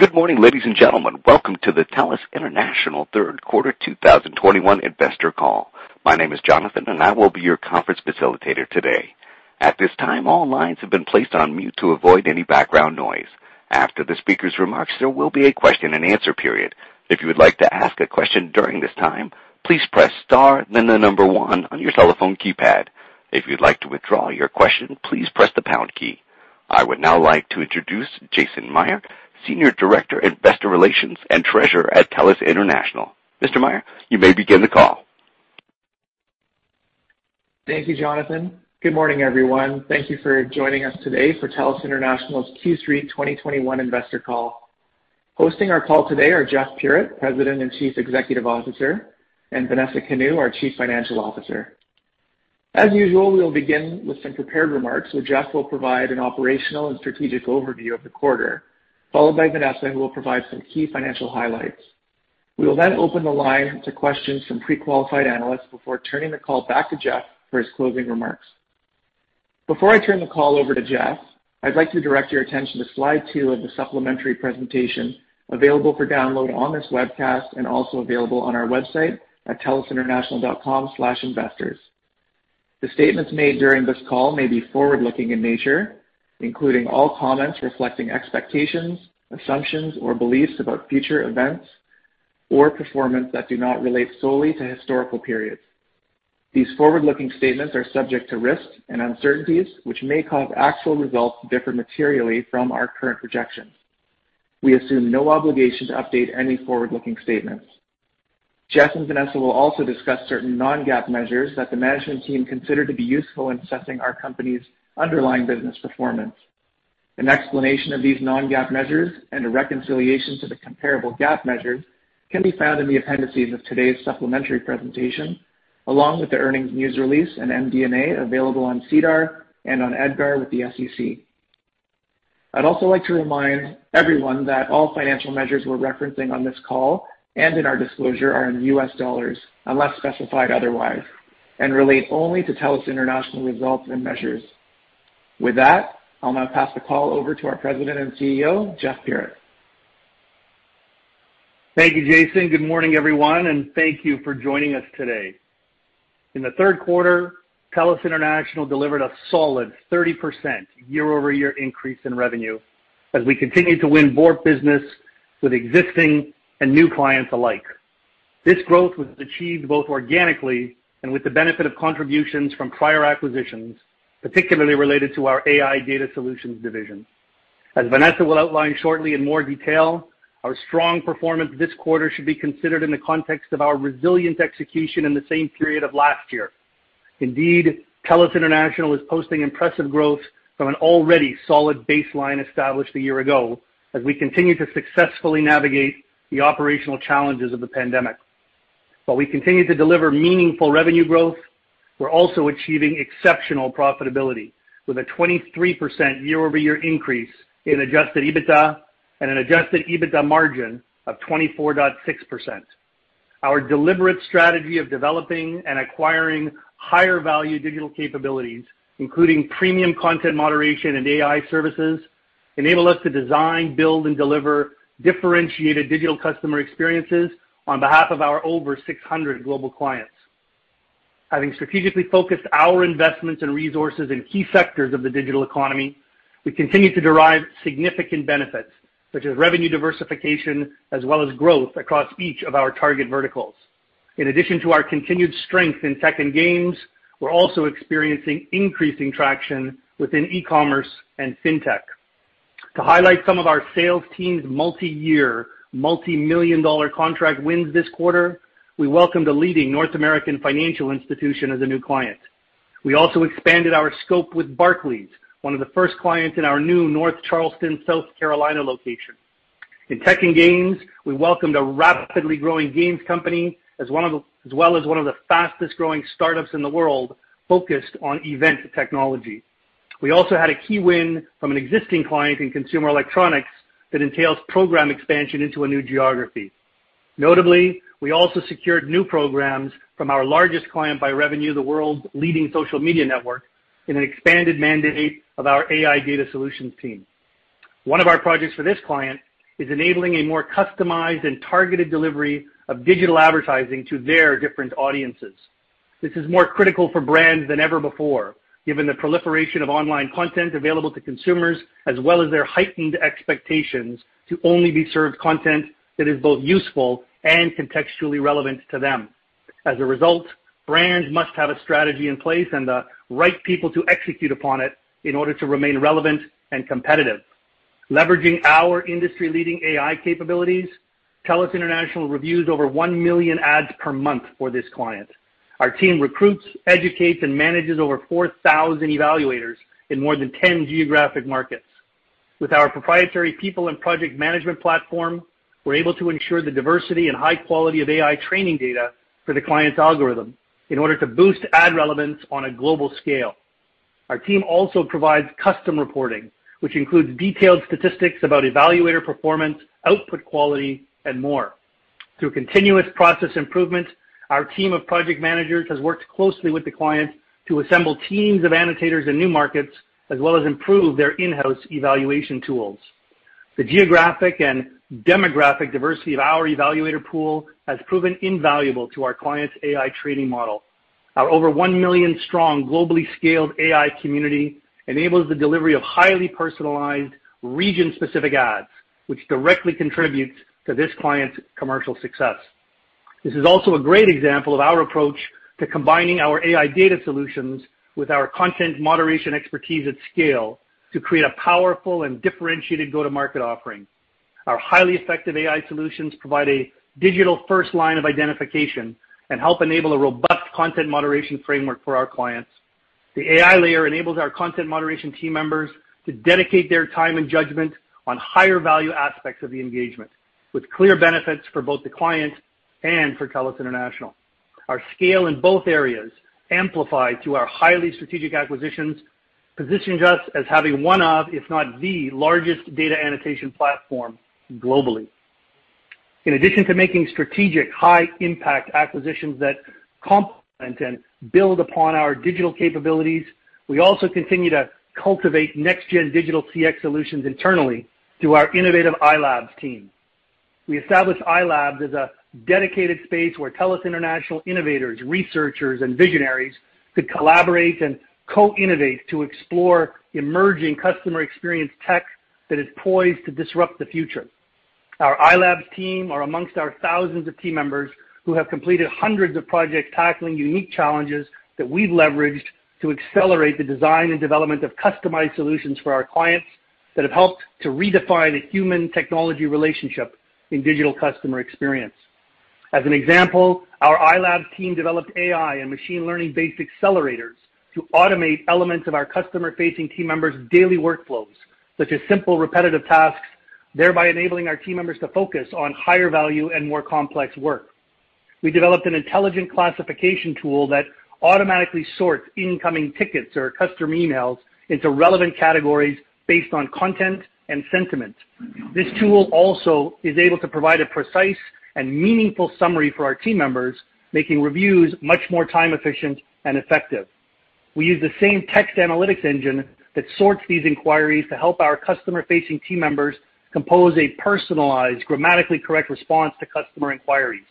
Good morning, ladies and gentlemen. Welcome to the TELUS International third quarter 2021 investor call. My name is Jonathan, and I will be your conference facilitator today. At this time, all lines have been placed on mute to avoid any background noise. After the speaker's remarks, there will be a question-and-answer period. If you would like to ask a question during this time, please press star then the number one on your telephone keypad. If you'd like to withdraw your question, please press the pound key. I would now like to introduce Jason Mayr, Senior Director, Investor Relations & Treasurer at TELUS International. Mr. Mayr, you may begin the call. Thank you, Jonathan. Good morning, everyone. Thank you for joining us today for TELUS International's Q3 2021 investor call. Hosting our call today are Jeff Puritt, President and Chief Executive Officer, and Vanessa Kanu, our Chief Financial Officer. As usual, we will begin with some prepared remarks, where Jeff will provide an operational and strategic overview of the quarter, followed by Vanessa, who will provide some key financial highlights. We will then open the line to questions from pre-qualified analysts before turning the call back to Jeff for his closing remarks. Before I turn the call over to Jeff, I'd like to direct your attention to slide two of the supplementary presentation available for download on this webcast and also available on our website at telusinternational.com/investors. The statements made during this call may be forward-looking in nature, including all comments reflecting expectations, assumptions, or beliefs about future events or performance that do not relate solely to historical periods. These forward-looking statements are subject to risks and uncertainties, which may cause actual results to differ materially from our current projections. We assume no obligation to update any forward-looking statements. Jeff and Vanessa will also discuss certain non-GAAP measures that the management team consider to be useful in assessing our company's underlying business performance. An explanation of these non-GAAP measures and a reconciliation to the comparable GAAP measures can be found in the appendices of today's supplementary presentation, along with the earnings news release and MD&A available on SEDAR and on EDGAR with the SEC. I'd also like to remind everyone that all financial measures we're referencing on this call and in our disclosure are in U.S. dollars, unless specified otherwise, and relate only to TELUS International results and measures. With that, I'll now pass the call over to our President and CEO, Jeff Puritt. Thank you, Jason. Good morning, everyone, and thank you for joining us today. In the third quarter, TELUS International delivered a solid 30% year-over-year increase in revenue as we continue to win more business with existing and new clients alike. This growth was achieved both organically and with the benefit of contributions from prior acquisitions, particularly related to our AI Data Solutions division. As Vanessa will outline shortly in more detail, our strong performance this quarter should be considered in the context of our resilient execution in the same period of last year. Indeed, TELUS International is posting impressive growth from an already solid baseline established a year ago as we continue to successfully navigate the operational challenges of the pandemic. While we continue to deliver meaningful revenue growth, we're also achieving exceptional profitability, with a 23% year-over-year increase in adjusted EBITDA and an adjusted EBITDA margin of 24.6%. Our deliberate strategy of developing and acquiring higher-value digital capabilities, including premium content moderation and AI services, enable us to design, build, and deliver differentiated digital customer experiences on behalf of our over 600 global clients. Having strategically focused our investments and resources in key sectors of the digital economy, we continue to derive significant benefits, such as revenue diversification as well as growth across each of our target verticals. In addition to our continued strength in tech and games, we're also experiencing increasing traction within e-commerce and fintech. To highlight some of our sales team's multi-year, multi-million dollar contract wins this quarter, we welcomed a leading North American financial institution as a new client. We also expanded our scope with Barclays, one of the first clients in our new North Charleston, South Carolina location. In tech and games, we welcomed a rapidly growing games company as well as one of the fastest-growing startups in the world focused on event technology. We also had a key win from an existing client in consumer electronics that entails program expansion into a new geography. Notably, we also secured new programs from our largest client by revenue, the world's leading social media network, in an expanded mandate of our AI Data Solutions team. One of our projects for this client is enabling a more customized and targeted delivery of digital advertising to their different audiences. This is more critical for brands than ever before, given the proliferation of online content available to consumers, as well as their heightened expectations to only be served content that is both useful and contextually relevant to them. As a result, brands must have a strategy in place and the right people to execute upon it in order to remain relevant and competitive. Leveraging our industry-leading AI capabilities, TELUS International reviews over 1 million ads per month for this client. Our team recruits, educates, and manages over 4,000 evaluators in more than 10 geographic markets. With our proprietary people and project management platform, we're able to ensure the diversity and high quality of AI training data for the client's algorithm in order to boost ad relevance on a global scale. Our team also provides custom reporting, which includes detailed statistics about evaluator performance, output quality, and more. Through continuous process improvement, our team of project managers has worked closely with the client to assemble teams of annotators in new markets, as well as improve their in-house evaluation tools. The geographic and demographic diversity of our evaluator pool has proven invaluable to our client's AI training model. Our over 1 million strong globally scaled AI community enables the delivery of highly personalized region-specific ads, which directly contributes to this client's commercial success. This is also a great example of our approach to combining our AI Data Solutions with our content moderation expertise at scale to create a powerful and differentiated go-to-market offering. Our highly effective AI solutions provide a digital first line of identification and help enable a robust content moderation framework for our clients. The AI layer enables our content moderation team members to dedicate their time and judgment on higher value aspects of the engagement, with clear benefits for both the client and for TELUS International. Our scale in both areas, amplified through our highly strategic acquisitions, positions us as having one of, if not the largest data annotation platform globally. In addition to making strategic high impact acquisitions that complement and build upon our digital capabilities, we also continue to cultivate next gen digital CX solutions internally through our innovative iLabs team. We established iLabs as a dedicated space where TELUS International innovators, researchers, and visionaries could collaborate and co-innovate to explore emerging customer experience tech that is poised to disrupt the future. Our iLabs team are amongst our thousands of team members who have completed hundreds of projects tackling unique challenges that we've leveraged to accelerate the design and development of customized solutions for our clients that have helped to redefine the human technology relationship in digital customer experience. As an example, our iLabs team developed AI and machine learning-based accelerators to automate elements of our customer-facing team members' daily workflows, such as simple repetitive tasks, thereby enabling our team members to focus on higher value and more complex work. We developed an intelligent classification tool that automatically sorts incoming tickets or customer emails into relevant categories based on content and sentiment. This tool also is able to provide a precise and meaningful summary for our team members, making reviews much more time efficient and effective. We use the same text analytics engine that sorts these inquiries to help our customer-facing team members compose a personalized, grammatically correct response to customer inquiries.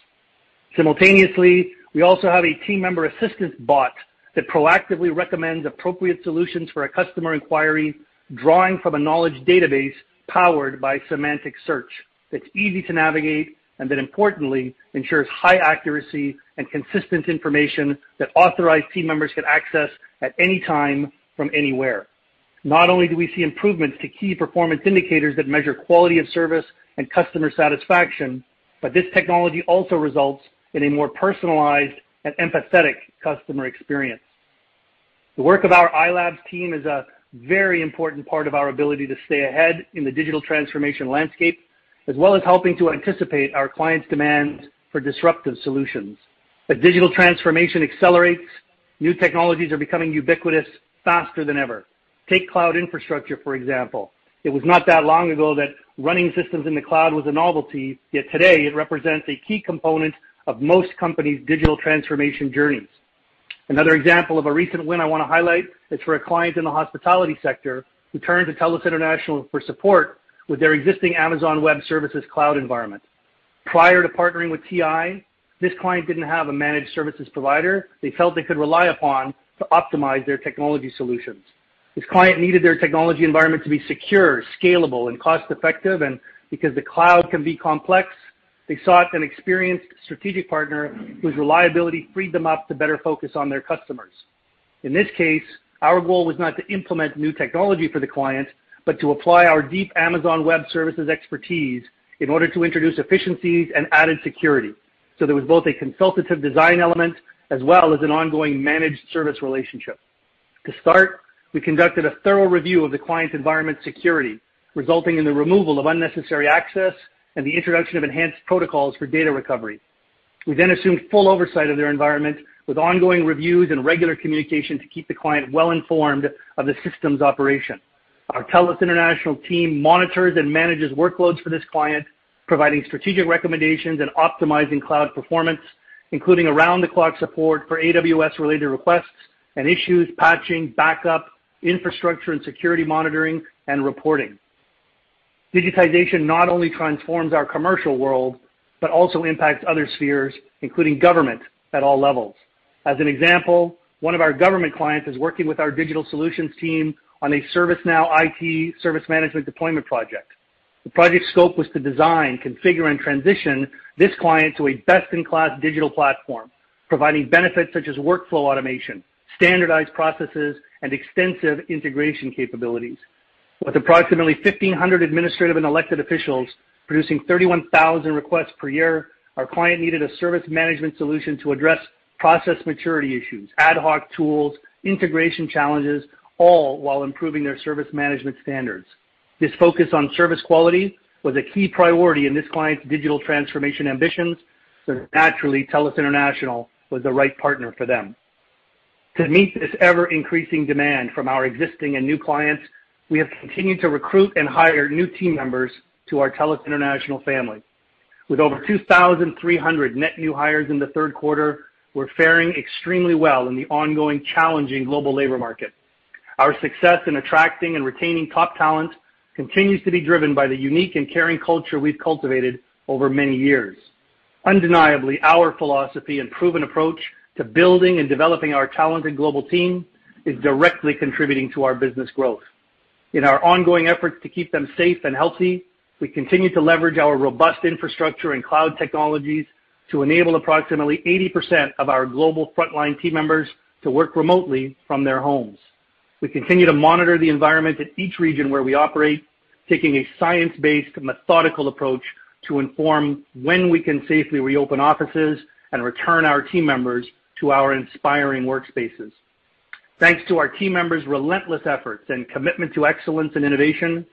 Simultaneously, we also have a team member assistant bot that proactively recommends appropriate solutions for a customer inquiry, drawing from a knowledge database powered by semantic search that's easy to navigate and that importantly ensures high accuracy and consistent information that authorized team members can access at any time from anywhere. Not only do we see improvements to key performance indicators that measure quality of service and customer satisfaction, but this technology also results in a more personalized and empathetic customer experience. The work of our iLabs team is a very important part of our ability to stay ahead in the digital transformation landscape, as well as helping to anticipate our clients' demand for disruptive solutions. As digital transformation accelerates, new technologies are becoming ubiquitous faster than ever. Take cloud infrastructure, for example. It was not that long ago that running systems in the cloud was a novelty, yet today it represents a key component of most companies' digital transformation journeys. Another example of a recent win I wanna highlight is for a client in the hospitality sector who turned to TELUS International for support with their existing Amazon Web Services cloud environment. Prior to partnering with TI, this client didn't have a managed services provider they felt they could rely upon to optimize their technology solutions. This client needed their technology environment to be secure, scalable, and cost-effective, and because the cloud can be complex, they sought an experienced strategic partner whose reliability freed them up to better focus on their customers. In this case, our goal was not to implement new technology for the client, but to apply our deep Amazon Web Services expertise in order to introduce efficiencies and added security. There was both a consultative design element as well as an ongoing managed service relationship. To start, we conducted a thorough review of the client's environment security, resulting in the removal of unnecessary access and the introduction of enhanced protocols for data recovery. We then assumed full oversight of their environment with ongoing reviews and regular communication to keep the client well-informed of the system's operation. Our TELUS International team monitors and manages workloads for this client, providing strategic recommendations and optimizing cloud performance, including around-the-clock support for AWS related requests and issues, patching, backup, infrastructure and security monitoring, and reporting. Digitization not only transforms our commercial world, but also impacts other spheres, including government at all levels. As an example, one of our government clients is working with our digital solutions team on a ServiceNow IT service management deployment project. The project scope was to design, configure, and transition this client to a best-in-class digital platform, providing benefits such as workflow automation, standardized processes, and extensive integration capabilities. With approximately 1,500 administrative and elected officials producing 31,000 requests per year, our client needed a service management solution to address process maturity issues, ad hoc tools, integration challenges, all while improving their service management standards. This focus on service quality was a key priority in this client's digital transformation ambitions, so naturally, TELUS International was the right partner for them. To meet this ever-increasing demand from our existing and new clients, we have continued to recruit and hire new team members to our TELUS International family. With over 2,300 net new hires in the third quarter, we're faring extremely well in the ongoing challenging global labor market. Our success in attracting and retaining top talent continues to be driven by the unique and caring culture we've cultivated over many years. Undeniably, our philosophy and proven approach to building and developing our talented global team is directly contributing to our business growth. In our ongoing efforts to keep them safe and healthy, we continue to leverage our robust infrastructure and cloud technologies to enable approximately 80% of our global frontline team members to work remotely from their homes. We continue to monitor the environment in each region where we operate, taking a science-based methodical approach to inform when we can safely reopen offices and return our team members to our inspiring workspaces. Thanks to our team members' relentless efforts and commitment to excellence and innovation,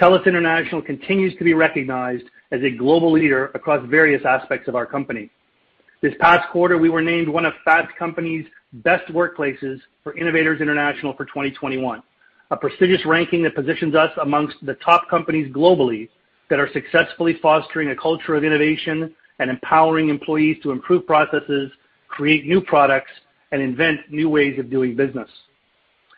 TELUS International continues to be recognized as a global leader across various aspects of our company. This past quarter, we were named one of Fast Company's Best Workplaces for Innovators International for 2021, a prestigious ranking that positions us amongst the top companies globally that are successfully fostering a culture of innovation and empowering employees to improve processes, create new products, and invent new ways of doing business.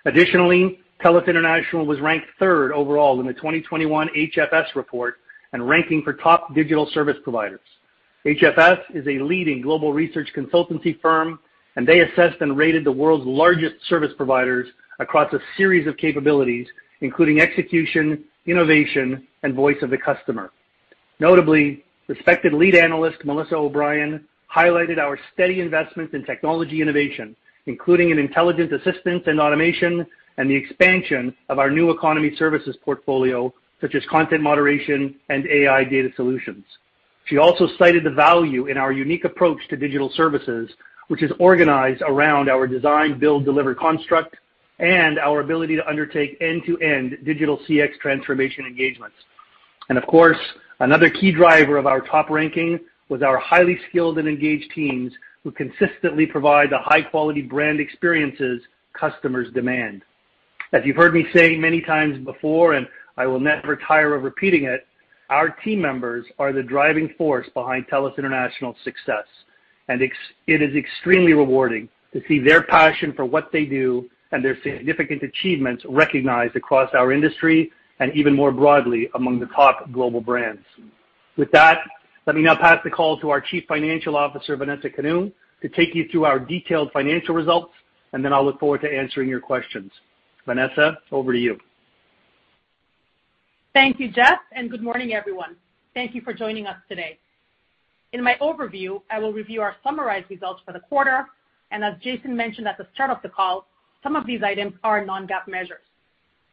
Additionally, TELUS International was ranked third overall in the 2021 HFS Research report and ranking for top digital service providers. HFS Research is a leading global research consultancy firm, and they assessed and rated the world's largest service providers across a series of capabilities, including execution, innovation, and voice of the customer. Notably, respected lead analyst, Melissa O'Brien, highlighted our steady investments in technology innovation, including intelligent assistants and automation and the expansion of our new economy services portfolio, such as content moderation and AI Data Solutions. She also cited the value in our unique approach to digital services, which is organized around our design-build-deliver construct, and our ability to undertake end-to-end digital CX transformation engagements. Of course, another key driver of our top ranking was our highly skilled and engaged teams who consistently provide the high-quality brand experiences customers demand. As you've heard me say many times before, and I will never tire of repeating it, our team members are the driving force behind TELUS International's success, and it is extremely rewarding to see their passion for what they do and their significant achievements recognized across our industry and even more broadly among the top global brands. With that, let me now pass the call to our Chief Financial Officer, Vanessa Kanu, to take you through our detailed financial results, and then I'll look forward to answering your questions. Vanessa, over to you. Thank you, Jeff, and good morning, everyone. Thank you for joining us today. In my overview, I will review our summarized results for the quarter, and as Jason mentioned at the start of the call, some of these items are non-GAAP measures.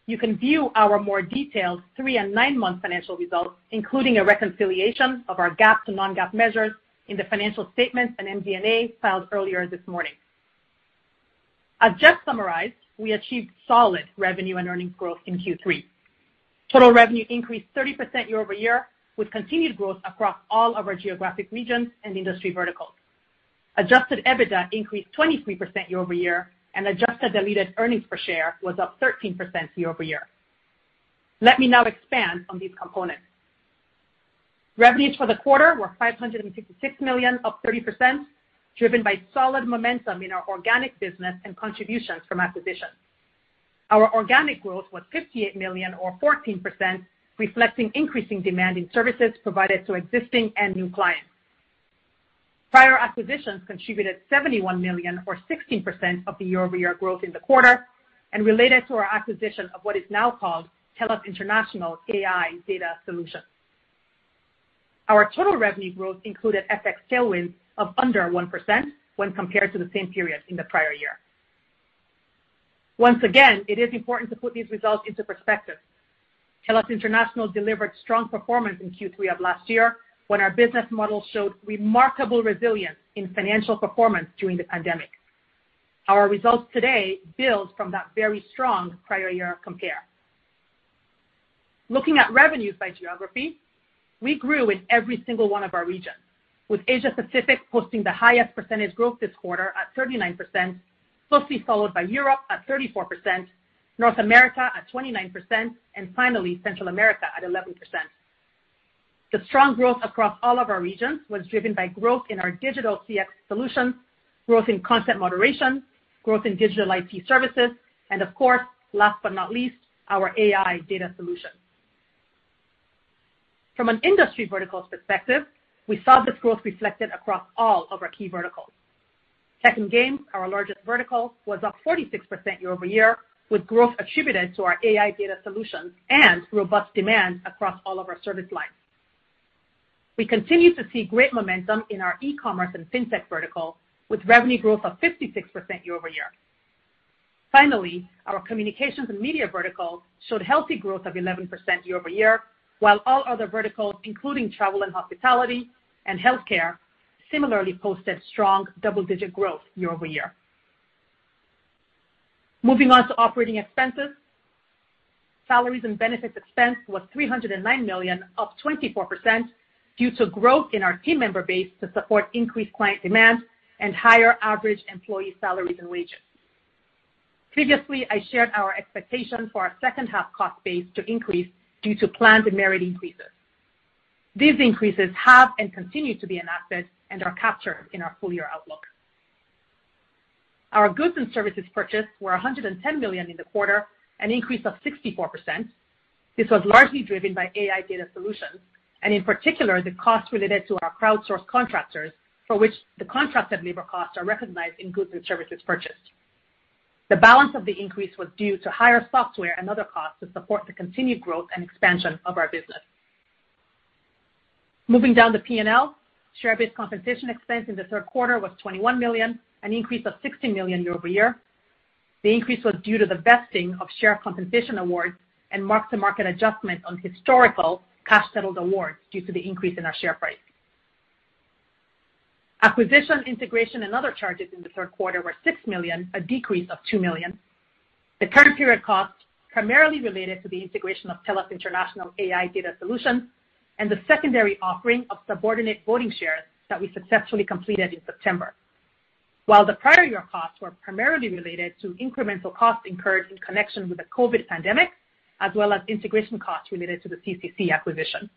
You can view our more detailed 3-month and 9-month financial results, including a reconciliation of our GAAP to non-GAAP measures in the financial statements and MD&A filed earlier this morning. As Jeff summarized, we achieved solid revenue and earnings growth in Q3. Total revenue increased 30% year-over-year, with continued growth across all of our geographic regions and industry verticals. Adjusted EBITDA increased 23% year-over-year, and adjusted diluted earnings per share was up 13% year-over-year. Let me now expand on these components. Revenues for the quarter were $556 million, up 30%, driven by solid momentum in our organic business and contributions from acquisitions. Our organic growth was $58 million or 14%, reflecting increasing demand in services provided to existing and new clients. Prior acquisitions contributed $71 million or 16% of the year-over-year growth in the quarter and related to our acquisition of what is now called TELUS International AI Data Solutions. Our total revenue growth included FX tailwinds of under 1% when compared to the same period in the prior year. Once again, it is important to put these results into perspective. TELUS International delivered strong performance in Q3 of last year when our business model showed remarkable resilience in financial performance during the pandemic. Our results today build from that very strong prior year compare. Looking at revenues by geography, we grew in every single one of our regions, with Asia Pacific posting the highest percentage growth this quarter at 39%, closely followed by Europe at 34%, North America at 29%, and finally, Central America at 11%. The strong growth across all of our regions was driven by growth in our digital CX solutions, growth in content moderation, growth in digital IT services, and of course, last but not least, our AI Data Solutions. From an industry verticals perspective, we saw this growth reflected across all of our key verticals. Tech and games, our largest vertical, was up 46% year-over-year, with growth attributed to our AI Data Solutions and robust demand across all of our service lines. We continue to see great momentum in our e-commerce and fintech vertical, with revenue growth of 56% year-over-year. Finally, our communications and media vertical showed healthy growth of 11% year-over-year, while all other verticals, including travel and hospitality and healthcare, similarly posted strong double-digit growth year-over-year. Moving on to operating expenses. Salaries and benefits expense was $309 million, up 24%, due to growth in our team member base to support increased client demands and higher average employee salaries and wages. Previously, I shared our expectation for our second half cost base to increase due to planned and merited increases. These increases have and continue to be enacted and are captured in our full year outlook. Our goods and services purchased were $110 million in the quarter, an increase of 64%. This was largely driven by AI Data Solutions, and in particular, the cost related to our crowdsourced contractors, for which the contracted labor costs are recognized in goods and services purchased. The balance of the increase was due to higher software and other costs to support the continued growth and expansion of our business. Moving down the P&L, share-based compensation expense in the third quarter was $21 million, an increase of $60 million year-over-year. The increase was due to the vesting of share compensation awards and mark-to-market adjustment on historical cash settled awards due to the increase in our share price. Acquisition, integration, and other charges in the third quarter were $6 million, a decrease of $2 million. The current period costs primarily related to the integration of TELUS International AI Data Solutions and the secondary offering of subordinate voting shares that we successfully completed in September. While the prior year costs were primarily related to incremental costs incurred in connection with the COVID pandemic, as well as integration costs related to the CCC acquisition.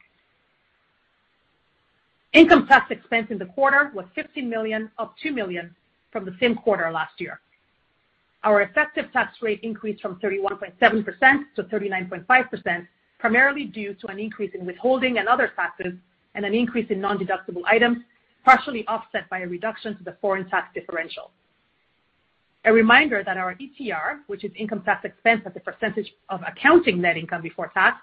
Income tax expense in the quarter was $15 million, up $2 million from the same quarter last year. Our effective tax rate increased from 31.7% to 39.5%, primarily due to an increase in withholding and other factors, and an increase in nondeductible items, partially offset by a reduction to the foreign tax differential. A reminder that our ETR, which is income tax expense as a percentage of accounting net income before tax,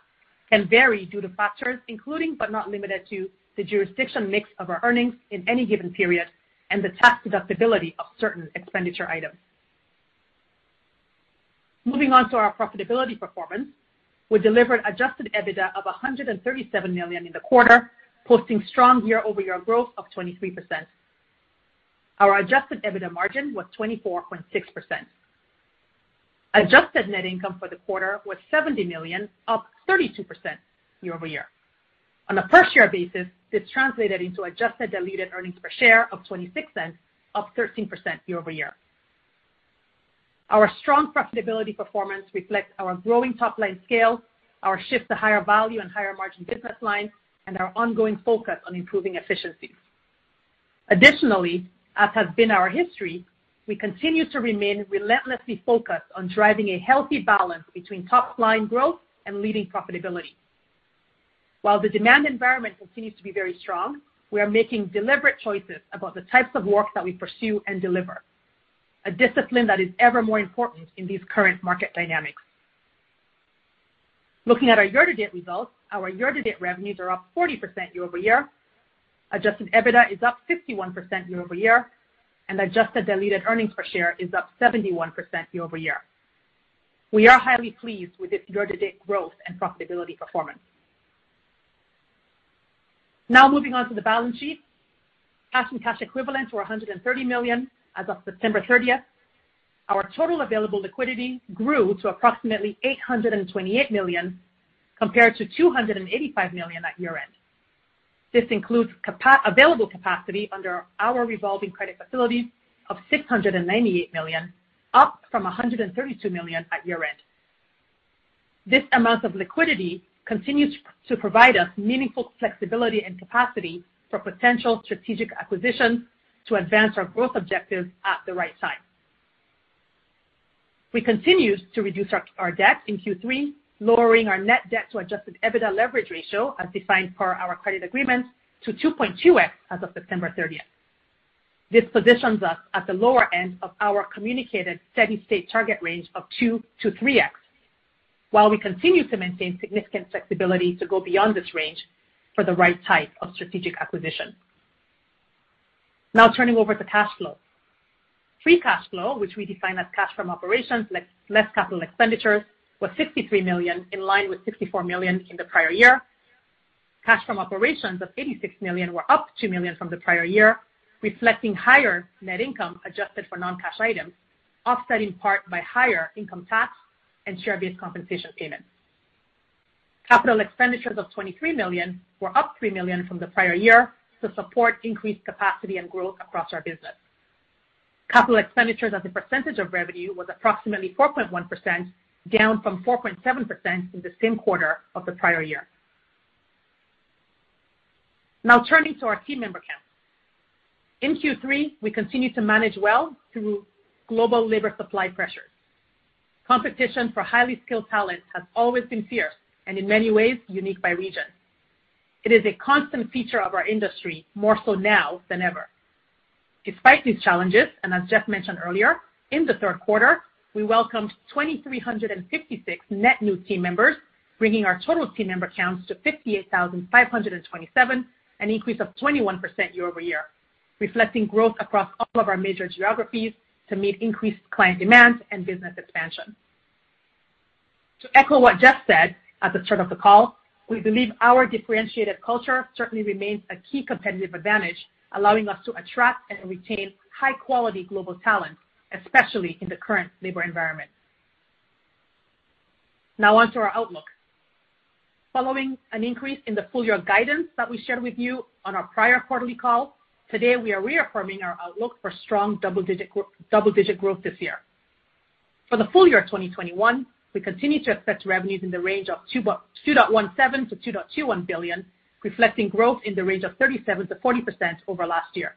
can vary due to factors including, but not limited to, the jurisdiction mix of our earnings in any given period and the tax deductibility of certain expenditure items. Moving on to our profitability performance. We delivered adjusted EBITDA of $137 million in the quarter, posting strong year-over-year growth of 23%. Our adjusted EBITDA margin was 24.6%. Adjusted net income for the quarter was $70 million, up 32% year-over-year. On a per share basis, this translated into adjusted diluted earnings per share of $0.26, up 13% year-over-year. Our strong profitability performance reflects our growing top-line scale, our shift to higher value and higher margin business lines, and our ongoing focus on improving efficiencies. Additionally, as has been our history, we continue to remain relentlessly focused on driving a healthy balance between top-line growth and leading profitability. While the demand environment continues to be very strong, we are making deliberate choices about the types of work that we pursue and deliver, a discipline that is ever more important in these current market dynamics. Looking at our year-to-date results, our year-to-date revenues are up 40% year-over-year. Adjusted EBITDA is up 51% year-over-year, and adjusted diluted earnings per share is up 71% year-over-year. We are highly pleased with this year-to-date growth and profitability performance. Now moving on to the balance sheet. Cash and cash equivalents were $130 million as of September 30th. Our total available liquidity grew to approximately $828 million, compared to $285 million at year-end. This includes available capacity under our revolving credit facility of $698 million, up from $132 million at year-end. This amount of liquidity continues to provide us meaningful flexibility and capacity for potential strategic acquisitions to advance our growth objectives at the right time. We continued to reduce our debt in Q3, lowering our net debt to adjusted EBITDA leverage ratio as defined per our credit agreement to 2.2x as of September 30th. This positions us at the lower end of our communicated steady state target range of 2x-3x, while we continue to maintain significant flexibility to go beyond this range for the right type of strategic acquisition. Now turning over to cash flow. Free cash flow, which we define as cash from operations less capital expenditures, was $63 million, in line with $64 million in the prior year. Cash from operations of $86 million were up $2 million from the prior year, reflecting higher net income adjusted for non-cash items, offset in part by higher income tax and share-based compensation payments. Capital expenditures of $23 million were up $3 million from the prior year to support increased capacity and growth across our business. Capital expenditures as a percentage of revenue was approximately 4.1%, down from 4.7% in the same quarter of the prior year. Now turning to our team member count. In Q3, we continued to manage well through global labor supply pressures. Competition for highly skilled talent has always been fierce and in many ways unique by region. It is a constant feature of our industry, more so now than ever. Despite these challenges, and as Jeff mentioned earlier, in the third quarter, we welcomed 2,356 net new team members, bringing our total team member counts to 58,527, an increase of 21% year-over-year, reflecting growth across all of our major geographies to meet increased client demands and business expansion. To echo what Jeff said at the start of the call. We believe our differentiated culture certainly remains a key competitive advantage, allowing us to attract and retain high-quality global talent, especially in the current labor environment. Now on to our outlook. Following an increase in the full-year guidance that we shared with you on our prior quarterly call, today we are reaffirming our outlook for strong double-digit growth this year. For the full year of 2021, we continue to expect revenues in the range of $2.17 billion-$2.21 billion, reflecting growth in the range of 37%-40% over last year.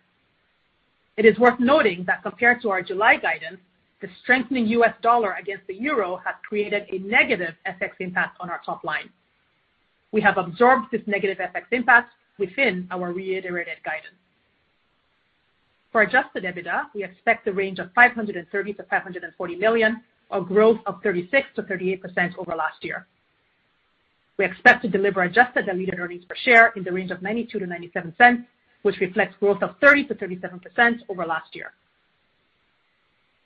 It is worth noting that compared to our July guidance, the strengthening U.S. dollar against the euro has created a negative FX impact on our top line. We have absorbed this negative FX impact within our reiterated guidance. For adjusted EBITDA, we expect the range of $530 million-$540 million, or growth of 36%-38% over last year. We expect to deliver adjusted diluted earnings per share in the range of $0.92-$0.97, which reflects growth of 30%-37% over last year.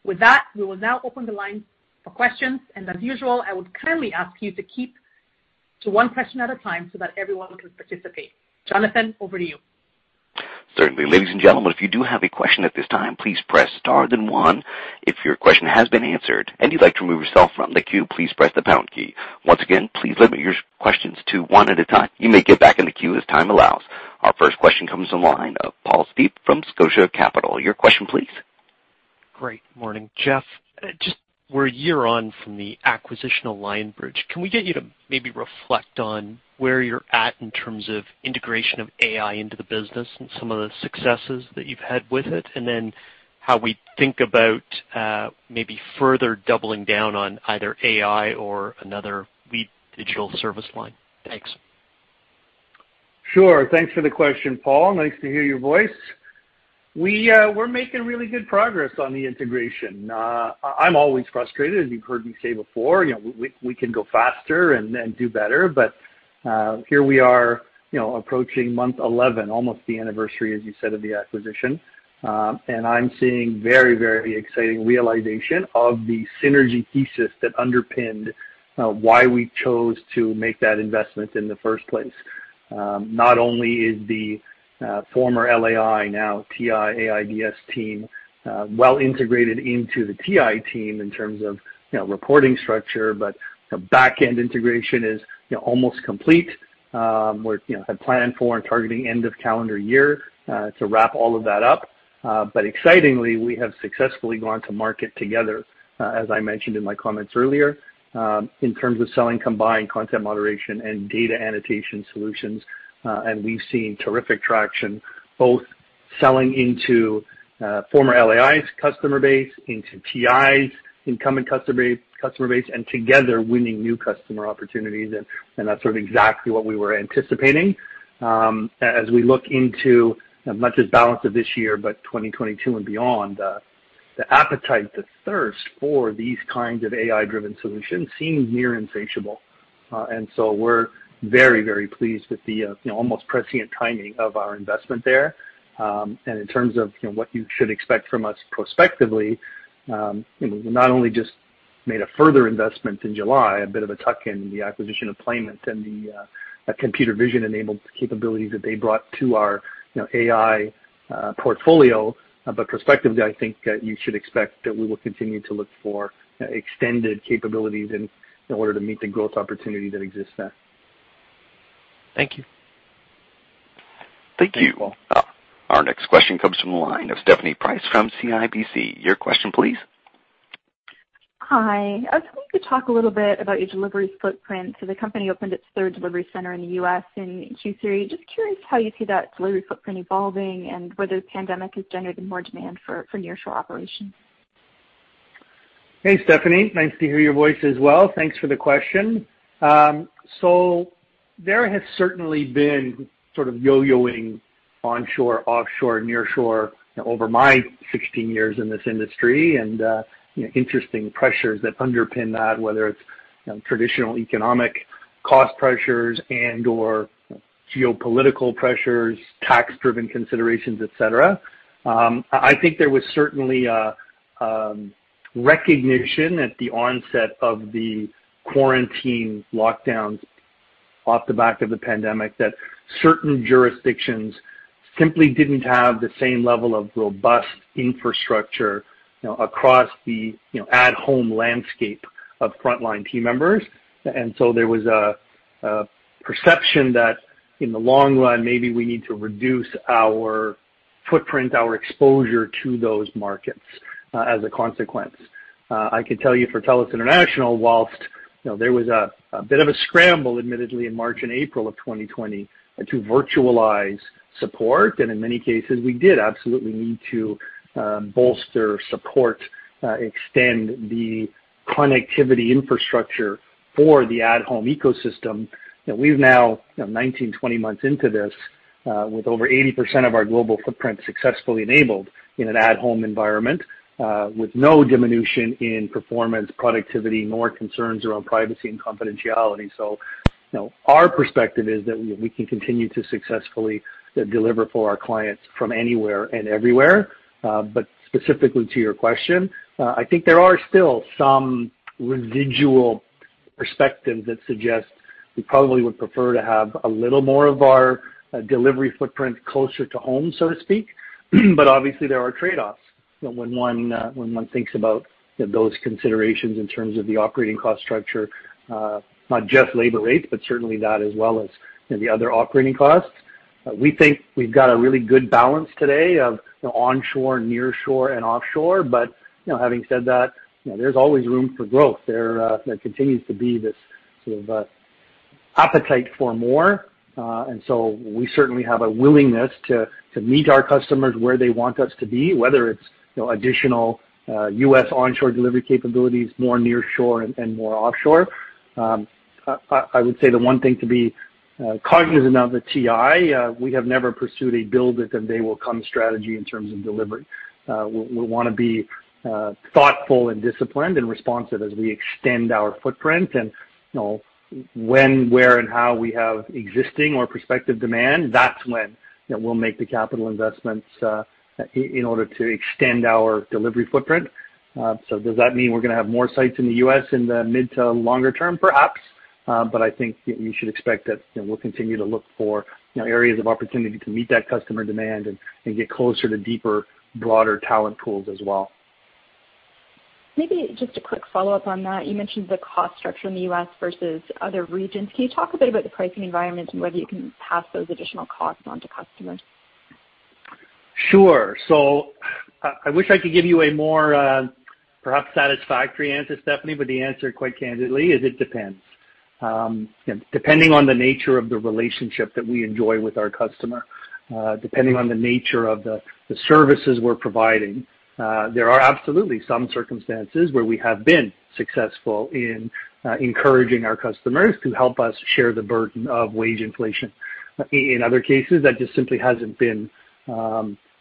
With that, we will now open the line for questions. As usual, I would kindly ask you to keep to one question at a time so that everyone can participate. Jonathan, over to you. Certainly. Ladies and gentlemen, if you do have a question at this time, please press star then one. If your question has been answered and you'd like to remove yourself from the queue, please press the pound key. Once again, please limit your questions to one at a time. You may get back in the queue as time allows. Our first question comes from the line of Paul Steep from Scotia Capital. Your question please. Good morning, Jeff. Just, we're a year on from the acquisition of Lionbridge. Can we get you to maybe reflect on where you're at in terms of integration of AI into the business and some of the successes that you've had with it? How we think about maybe further doubling down on either AI or another leading digital service line? Thanks. Sure. Thanks for the question, Paul. Nice to hear your voice. We're making really good progress on the integration. I'm always frustrated, as you've heard me say before. You know, we can go faster and do better. Here we are, you know, approaching month 11, almost the anniversary, as you said, of the acquisition. I'm seeing very, very exciting realization of the synergy thesis that underpinned why we chose to make that investment in the first place. Not only is the former LAI, now TI AI/DS team well integrated into the TI team in terms of, you know, reporting structure, but the back-end integration is, you know, almost complete. We had planned for and targeting end of calendar year to wrap all of that up. Excitingly, we have successfully gone to market together, as I mentioned in my comments earlier, in terms of selling combined content moderation and data annotation solutions. We've seen terrific traction, both selling into former LAI's customer base, into TI's incoming customer base, and together winning new customer opportunities. That's sort of exactly what we were anticipating. As we look into not just balance of this year, but 2022 and beyond, the appetite, the thirst for these kinds of AI-driven solutions seem near insatiable. We're very, very pleased with the, you know, almost prescient timing of our investment there. In terms of, you know, what you should expect from us prospectively, you know, we not only just made a further investment in July, a bit of a tuck-in, the acquisition of Playment and the computer vision-enabled capabilities that they brought to our, you know, AI portfolio. Prospectively, I think you should expect that we will continue to look for extended capabilities in order to meet the growth opportunity that exists there. Thank you. Thanks, Paul. Our next question comes from the line of Stephanie Price from CIBC. Your question please. Hi. I was hoping you could talk a little bit about your delivery footprint. The company opened its third delivery center in the U.S. in Q3. Just curious how you see that delivery footprint evolving and whether the pandemic has generated more demand for nearshore operations. Hey, Stephanie. Nice to hear your voice as well. Thanks for the question. So there has certainly been sort of yo-yoing onshore, offshore, nearshore over my 16 years in this industry, and you know, interesting pressures that underpin that, whether it's you know, traditional economic cost pressures and/or geopolitical pressures, tax-driven considerations, et cetera. I think there was certainly a recognition at the onset of the quarantine lockdowns off the back of the pandemic that certain jurisdictions simply didn't have the same level of robust infrastructure you know, across the you know, at-home landscape of frontline team members. There was a perception that in the long run, maybe we need to reduce our footprint, our exposure to those markets as a consequence. I can tell you for TELUS International, while, you know, there was a bit of a scramble, admittedly, in March and April of 2020 to virtualize support, and in many cases, we did absolutely need to bolster support, extend the connectivity infrastructure for the at-home ecosystem. You know, we're now, you know, 19 months-20 months into this, with over 80% of our global footprint successfully enabled in an at-home environment, with no diminution in performance, productivity, nor concerns around privacy and confidentiality. You know, our perspective is that we can continue to successfully deliver for our clients from anywhere and everywhere. Specifically to your question, I think there are still some residual perspective that suggests we probably would prefer to have a little more of our delivery footprint closer to home, so to speak. Obviously, there are trade-offs when one thinks about those considerations in terms of the operating cost structure, not just labor rates, but certainly that as well as the other operating costs. We think we've got a really good balance today of the onshore, near shore and offshore. Having said that, you know, there's always room for growth. There continues to be this sort of appetite for more. We certainly have a willingness to meet our customers where they want us to be, whether it's, you know, additional U.S. onshore delivery capabilities, more near shore and more offshore. I would say the one thing to be cognizant of at TI, we have never pursued a build it and they will come strategy in terms of delivery. We wanna be thoughtful and disciplined and responsive as we extend our footprint. You know, when, where, and how we have existing or prospective demand, that's when, you know, we'll make the capital investments in order to extend our delivery footprint. Does that mean we're gonna have more sites in the U.S. in the mid to longer term? Perhaps. I think you should expect that, you know, we'll continue to look for, you know, areas of opportunity to meet that customer demand and get closer to deeper, broader talent pools as well. Maybe just a quick follow-up on that. You mentioned the cost structure in the U.S. versus other regions. Can you talk a bit about the pricing environment and whether you can pass those additional costs on to customers? Sure. I wish I could give you a more, perhaps satisfactory answer, Stephanie, but the answer, quite candidly, is it depends. Depending on the nature of the relationship that we enjoy with our customer, depending on the nature of the services we're providing, there are absolutely some circumstances where we have been successful in encouraging our customers to help us share the burden of wage inflation. In other cases, that just simply hasn't been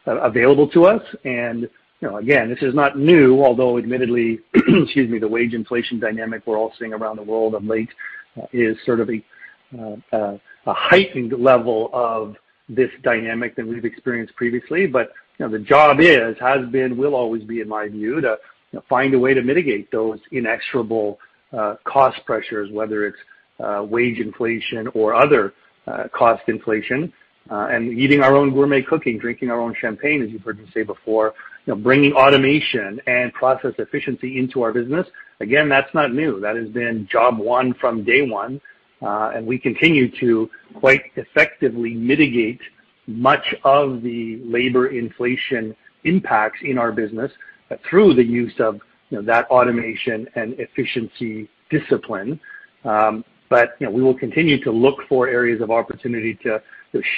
available to us. You know, again, this is not new, although admittedly, excuse me, the wage inflation dynamic we're all seeing around the world of late is sort of a heightened level of this dynamic than we've experienced previously. You know, the job is, has been, will always be, in my view, to, you know, find a way to mitigate those inexorable cost pressures, whether it's wage inflation or other cost inflation. Eating our own gourmet cooking, drinking our own champagne, as you've heard me say before, you know, bringing automation and process efficiency into our business. Again, that's not new. That has been job one from day one. We continue to quite effectively mitigate much of the labor inflation impacts in our business through the use of, you know, that automation and efficiency discipline. You know, we will continue to look for areas of opportunity to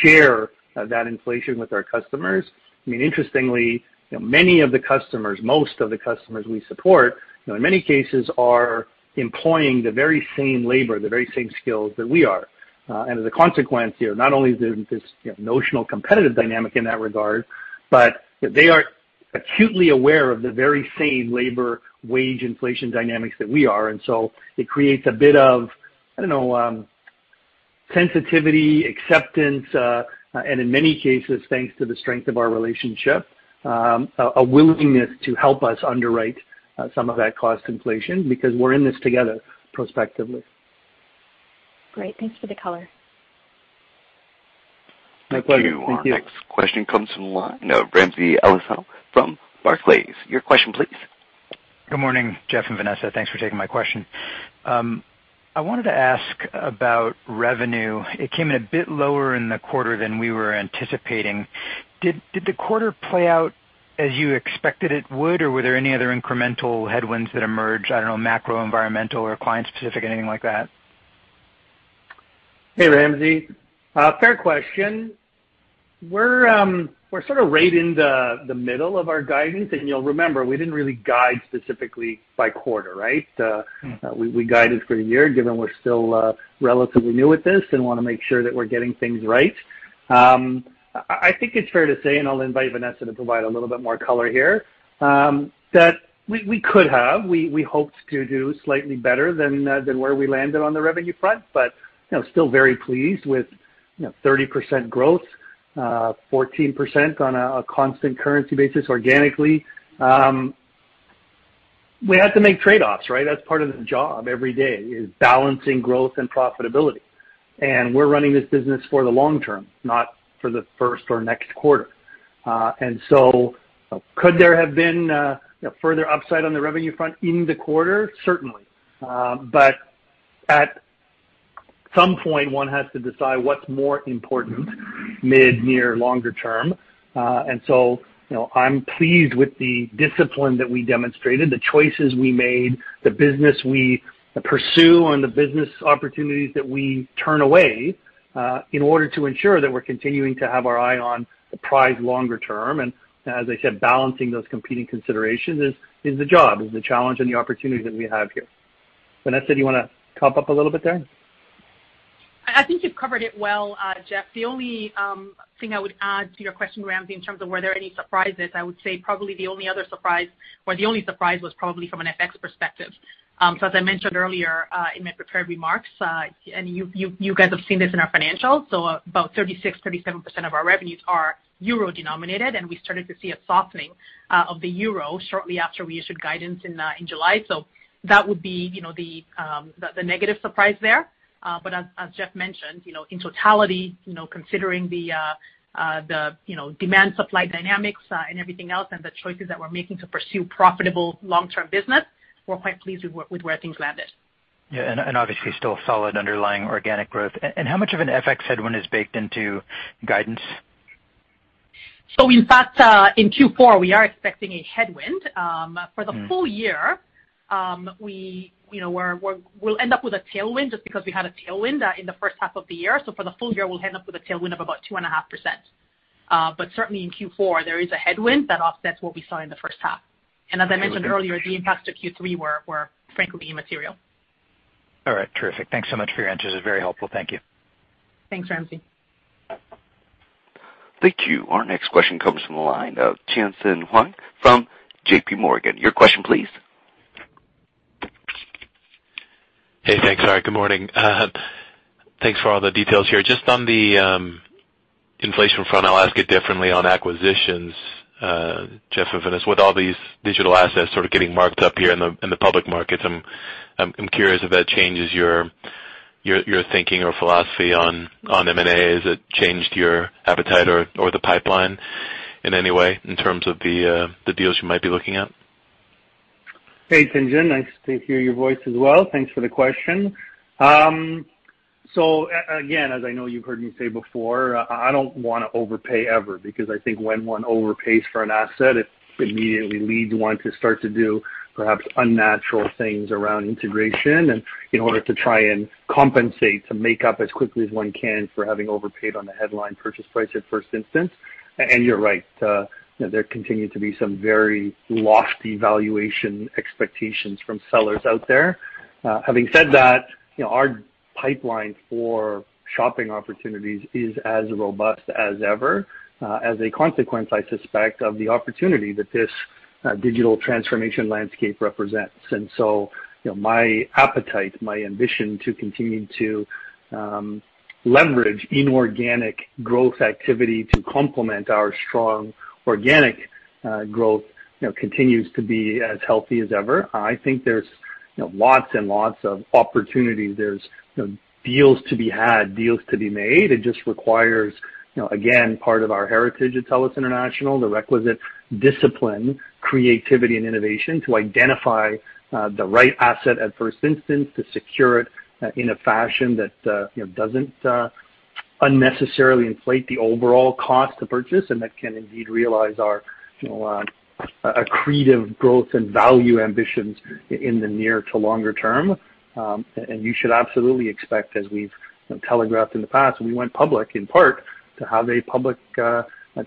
share that inflation with our customers. I mean, interestingly, you know, many of the customers, most of the customers we support, you know, in many cases are employing the very same labor, the very same skills that we are. As a consequence here, not only is there this notional competitive dynamic in that regard, but they are acutely aware of the very same labor wage inflation dynamics that we are. It creates a bit of, I don't know, sensitivity, acceptance, and in many cases, thanks to the strength of our relationship, a willingness to help us underwrite some of that cost inflation because we're in this together prospectively. Great. Thanks for the color. My pleasure. Thank you. Our next question comes from the line of Ramsey El-Assal from Barclays. Your question please. Good morning, Jeff and Vanessa. Thanks for taking my question. I wanted to ask about revenue. It came in a bit lower in the quarter than we were anticipating. Did the quarter play out as you expected it would, or were there any other incremental headwinds that emerged, I don't know, macro, environmental or client-specific, anything like that? Hey, Ramsey. Fair question. We're sort of right in the middle of our guidance. You'll remember, we didn't really guide specifically by quarter, right? We guided for a year, given we're still relatively new at this and wanna make sure that we're getting things right. I think it's fair to say, and I'll invite Vanessa to provide a little bit more color here, that we could have. We hoped to do slightly better than where we landed on the revenue front, but, you know, still very pleased with, you know, 30% growth, 14% on a constant currency basis organically. We have to make trade-offs, right? That's part of the job every day is balancing growth and profitability. We're running this business for the long term, not for the first or next quarter. Could there have been further upside on the revenue front in the quarter? Certainly. At some point, one has to decide what's more important mid, near, longer term. You know, I'm pleased with the discipline that we demonstrated, the choices we made, the business we pursue, and the business opportunities that we turn away in order to ensure that we're continuing to have our eye on the prize longer term. As I said, balancing those competing considerations is the job, the challenge and the opportunity that we have here. Vanessa, do you wanna top up a little bit there? I think you've covered it well, Jeff. The only thing I would add to your question, Ramsey, in terms of were there any surprises, I would say probably the only other surprise or the only surprise was probably from an FX perspective. As I mentioned earlier in my prepared remarks, and you guys have seen this in our financials. About 36%-37% of our revenues are euro-denominated, and we started to see a softening of the euro shortly after we issued guidance in July. That would be, you know, the negative surprise there. But as Jeff mentioned, you know, in totality, you know, considering the demand supply dynamics and everything else and the choices that we're making to pursue profitable long-term business, we're quite pleased with where things landed. Yeah, and obviously still solid underlying organic growth. How much of an FX headwind is baked into guidance? In fact, in Q4, we are expecting a headwind. For the full year, we, you know, we'll end up with a tailwind just because we had a tailwind in the first half of the year. For the full year, we'll end up with a tailwind of about 2.5%. But certainly in Q4, there is a headwind that offsets what we saw in the first half. As I mentioned earlier, the impacts to Q3 were frankly immaterial. All right. Terrific. Thanks so much for your answers. Very helpful. Thank you. Thanks, Ramsey. Thank you. Our next question comes from the line of Tien-Tsin Huang from J.P. Morgan. Your question, please. Hey, thanks. All right, good morning. Thanks for all the details here. Just on the inflation front, I'll ask it differently on acquisitions, Jeff and Vanessa. With all these digital assets sort of getting marked up here in the public markets, I'm curious if that changes your thinking or philosophy on M&A. Has it changed your appetite or the pipeline in any way in terms of the deals you might be looking at? Hey, Tien-Tsin. Nice to hear your voice as well. Thanks for the question. So again, as I know you've heard me say before, I don't wanna overpay ever because I think when one overpays for an asset, it immediately leads one to start to do perhaps unnatural things around integration and in order to try and compensate to make up as quickly as one can for having overpaid on the headline purchase price at first instance. You're right, you know, there continue to be some very lofty valuation expectations from sellers out there. Having said that, you know, our pipeline for shopping opportunities is as robust as ever, as a consequence, I suspect, of the opportunity that this digital transformation landscape represents. You know, my appetite, my ambition to continue to leverage inorganic growth activity to complement our strong organic growth, you know, continues to be as healthy as ever. I think there's, you know, lots and lots of opportunities. There's, you know, deals to be had, deals to be made. It just requires, you know, again, part of our heritage at TELUS International, the requisite discipline, creativity and innovation to identify the right asset at first instance, to secure it in a fashion that, you know, doesn't unnecessarily inflate the overall cost to purchase and that can indeed realize our, you know, accretive growth and value ambitions in the near to longer term. You should absolutely expect, as we've telegraphed in the past, we went public in part to have a public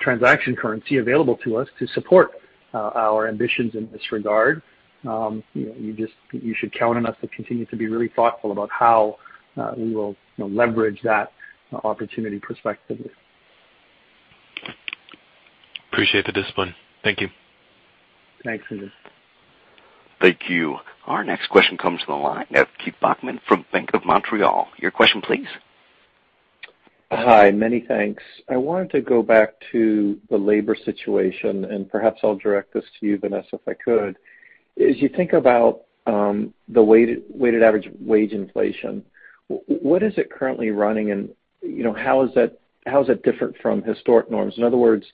transaction currency available to us to support our ambitions in this regard. You know, you should count on us to continue to be really thoughtful about how we will, you know, leverage that opportunity prospectively. Appreciate the discipline. Thank you. Thanks, Tien-Tsin Huang. Thank you. Our next question comes from the line of Keith Bachman from Bank of Montreal. Your question, please. Hi. Many thanks. I wanted to go back to the labor situation, and perhaps I'll direct this to you, Vanessa, if I could. As you think about the weighted average wage inflation, what is it currently running and, you know, how is that different from historic norms? In other words,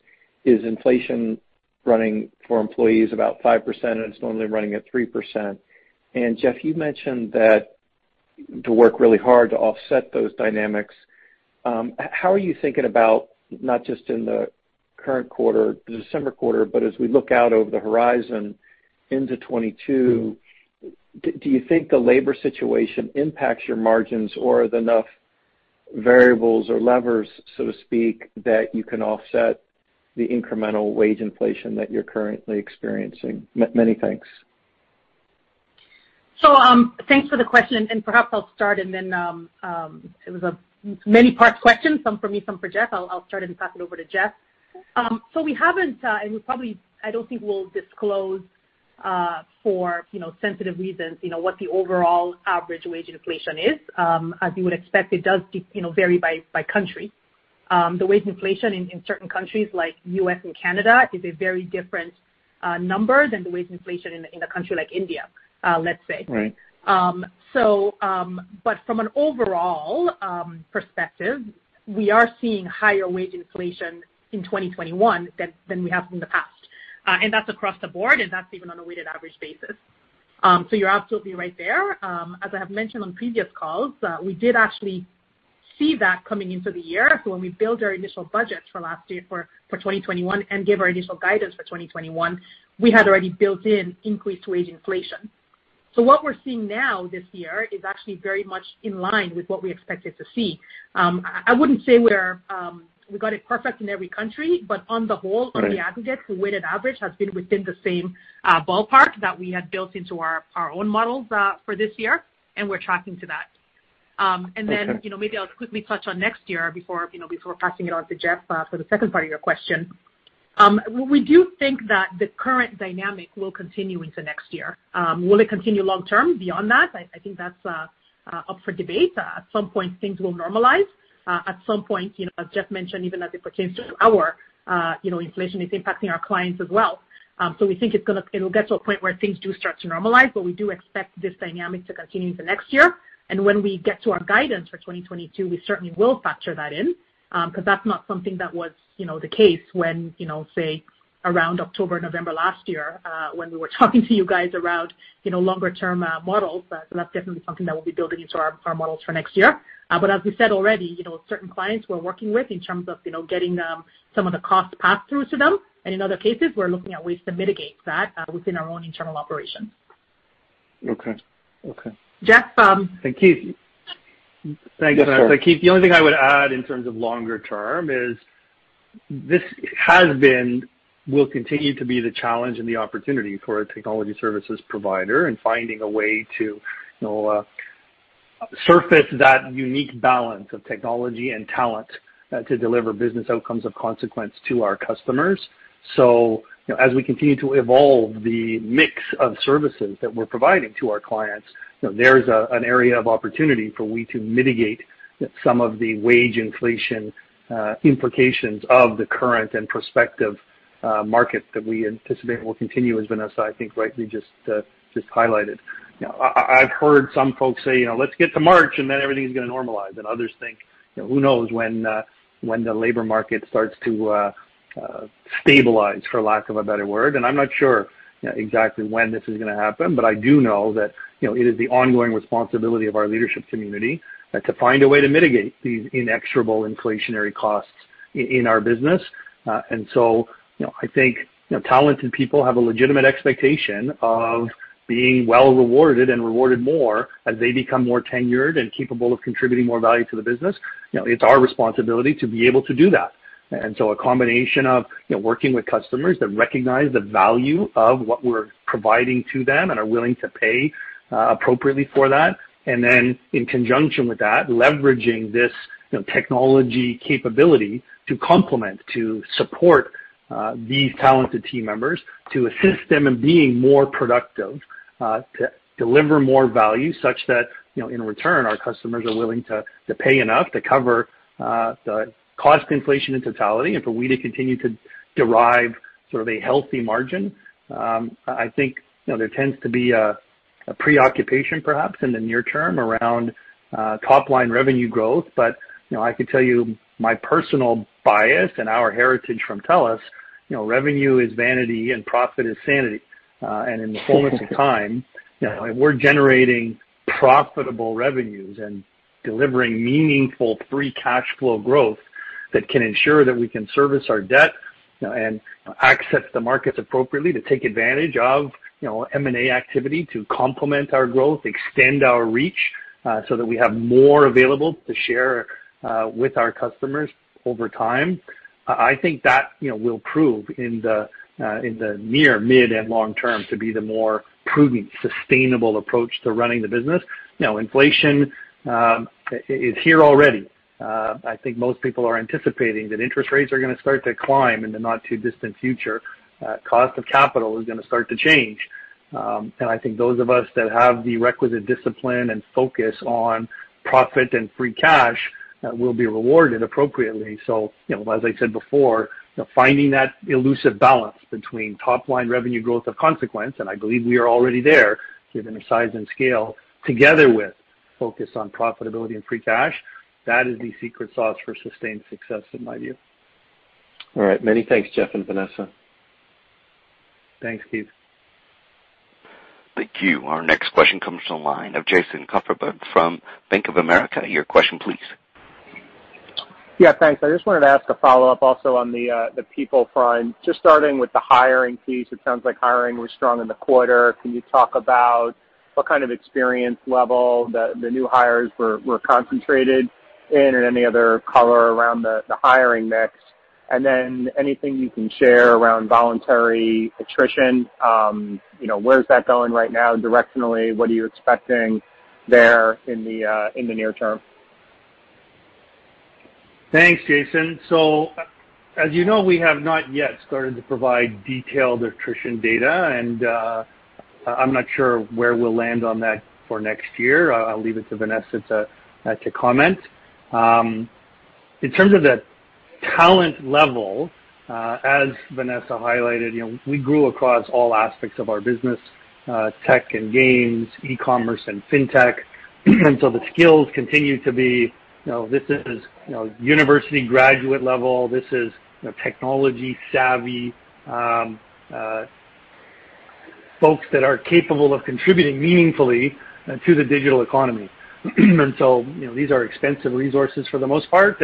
is inflation running for employees about 5% and it's normally running at 3%? Jeff, you mentioned that you work really hard to offset those dynamics. How are you thinking about not just in the current quarter, the December quarter, but as we look out over the horizon into 2022, do you think the labor situation impacts your margins or are there enough variables or levers, so to speak, that you can offset the incremental wage inflation that you're currently experiencing? Many thanks. Thanks for the question, and perhaps I'll start and then it was a many part question, some for me, some for Jeff. I'll start and pass it over to Jeff. We haven't, and we probably, I don't think we'll disclose, for, you know, sensitive reasons, you know, what the overall average wage inflation is. As you would expect, it does, you know, vary by country. The wage inflation in certain countries like U.S. and Canada is a very different number than the wage inflation in a country like India, let's say. Right. From an overall perspective, we are seeing higher wage inflation in 2021 than we have in the past. That's across the board, and that's even on a weighted average basis. You're absolutely right there. As I have mentioned on previous calls, we did actually see that coming into the year. When we built our initial budget for last year for 2021 and gave our initial guidance for 2021, we had already built in increased wage inflation. What we're seeing now this year is actually very much in line with what we expected to see. I wouldn't say we got it perfect in every country, but on the whole- Right.... on the aggregate, the weighted average has been within the same ballpark that we had built into our own models for this year, and we're tracking to that. You know, maybe I'll quickly touch on next year before, you know, before passing it on to Jeff for the second part of your question. We do think that the current dynamic will continue into next year. Will it continue long term beyond that? I think that's up for debate. At some point, things will normalize. At some point, you know, as Jeff mentioned, even as it pertains to our, you know, inflation is impacting our clients as well. We think it'll get to a point where things do start to normalize, but we do expect this dynamic to continue into next year. When we get to our guidance for 2022, we certainly will factor that in, 'cause that's not something that was, you know, the case when, you know, say, around October, November last year, when we were talking to you guys around, you know, longer term models. That's definitely something that we'll be building into our models for next year. As we said already, you know, certain clients we're working with in terms of, you know, getting them some of the cost pass-throughs to them. In other cases, we're looking at ways to mitigate that within our own internal operations. Okay. Okay. Jeff, Keith. Yes, sir. Thanks, Vanessa. Keith, the only thing I would add in terms of longer term is this has been, will continue to be the challenge and the opportunity for a technology services provider in finding a way to, you know, surface that unique balance of technology and talent, to deliver business outcomes of consequence to our customers. You know, as we continue to evolve the mix of services that we're providing to our clients, you know, there is an area of opportunity for us to mitigate some of the wage inflation implications of the current and prospective market that we anticipate will continue as Vanessa, I think, rightly just highlighted. You know, I've heard some folks say, you know, "Let's get to March, and then everything's gonna normalize." Others think, you know, who knows when the labor market starts to stabilize, for lack of a better word. I'm not sure, you know, exactly when this is gonna happen, but I do know that, you know, it is the ongoing responsibility of our leadership community to find a way to mitigate these inexorable inflationary costs in our business. You know, I think, you know, talented people have a legitimate expectation of being well rewarded and rewarded more as they become more tenured and capable of contributing more value to the business. You know, it's our responsibility to be able to do that. A combination of, you know, working with customers that recognize the value of what we're providing to them and are willing to pay appropriately for that, and then in conjunction with that, leveraging this, you know, technology capability to complement, to support these talented team members, to assist them in being more productive, to deliver more value such that, you know, in return, our customers are willing to pay enough to cover the cost inflation in totality and for we to continue to derive sort of a healthy margin. I think, you know, there tends to be a preoccupation perhaps in the near term around top line revenue growth. I can tell you my personal bias and our heritage from TELUS, you know, revenue is vanity and profit is sanity. In the fullness of time, you know, if we're generating profitable revenues and delivering meaningful free cash flow growth that can ensure that we can service our debt, you know, and access the markets appropriately to take advantage of, you know, M&A activity to complement our growth, extend our reach, so that we have more available to share with our customers over time, I think that, you know, will prove in the near, mid, and long term to be the more prudent, sustainable approach to running the business. You know, inflation is here already. I think most people are anticipating that interest rates are gonna start to climb in the not too distant future. Cost of capital is gonna start to change. I think those of us that have the requisite discipline and focus on profit and free cash will be rewarded appropriately. You know, as I said before, you know, finding that elusive balance between top line revenue growth of consequence, and I believe we are already there given the size and scale, together with focus on profitability and free cash, that is the secret sauce for sustained success in my view. All right. Many thanks, Jeff Puritt and Vanessa Kanu. Thanks, Keith. Thank you. Our next question comes from the line of Jason Kupferberg from Bank of America. Your question, please. Yeah. Thanks. I just wanted to ask a follow-up also on the people front, just starting with the hiring piece. It sounds like hiring was strong in the quarter. Can you talk about what kind of experience level the new hires were concentrated in? Any other color around the hiring mix? And then anything you can share around voluntary attrition, you know, where is that going right now directionally? What are you expecting there in the near term? Thanks, Jason. As you know, we have not yet started to provide detailed attrition data, and I'm not sure where we'll land on that for next year. I'll leave it to Vanessa to comment. In terms of the talent level, as Vanessa highlighted, you know, we grew across all aspects of our business, tech and games, e-commerce and fintech. The skills continue to be, you know, this is, you know, university graduate level. This is, you know, technology savvy, folks that are capable of contributing meaningfully to the digital economy. You know, these are expensive resources for the most part.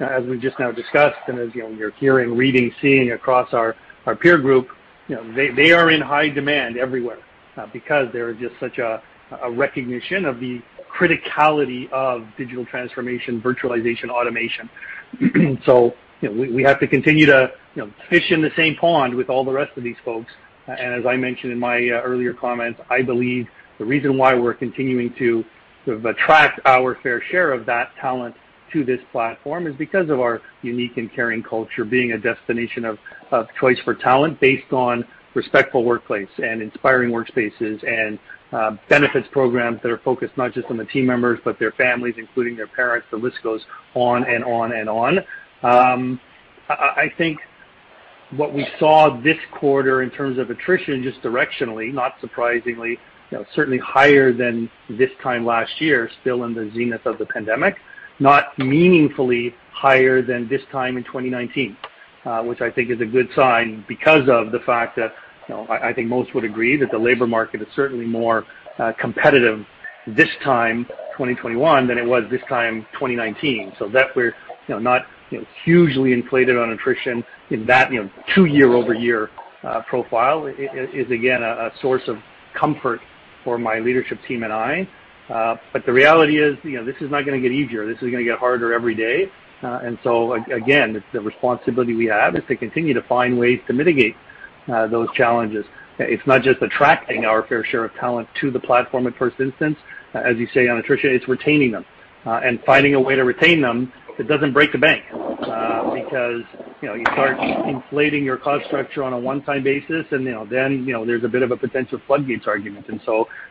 As we've just now discussed and as, you know, you're hearing, reading, seeing across our peer group, you know, they are in high demand everywhere, because there is just such a recognition of the criticality of digital transformation, virtualization, automation. You know, we have to continue to, you know, fish in the same pond with all the rest of these folks. As I mentioned in my earlier comments, I believe the reason why we're continuing to sort of attract our fair share of that talent to this platform is because of our unique and caring culture being a destination of choice for talent based on respectful workplace and inspiring workspaces and benefits programs that are focused not just on the team members, but their families, including their parents. The list goes on and on and on. What we saw this quarter in terms of attrition, just directionally, not surprisingly, you know, certainly higher than this time last year, still in the zenith of the pandemic, not meaningfully higher than this time in 2019, which I think is a good sign because of the fact that, you know, I think most would agree that the labor market is certainly more competitive this time, 2021, than it was this time, 2019. So that we're, you know, not, you know, hugely inflated on attrition in that, you know, two-year-over-year profile is, again, a source of comfort for my leadership team and I. But the reality is, you know, this is not gonna get easier. This is gonna get harder every day. Again, it's the responsibility we have is to continue to find ways to mitigate those challenges. It's not just attracting our fair share of talent to the platform at first instance. As you say, on attrition, it's retaining them, and finding a way to retain them that doesn't break the bank, because you know, you start inflating your cost structure on a one-time basis, and you know, then you know, there's a bit of a potential floodgates argument.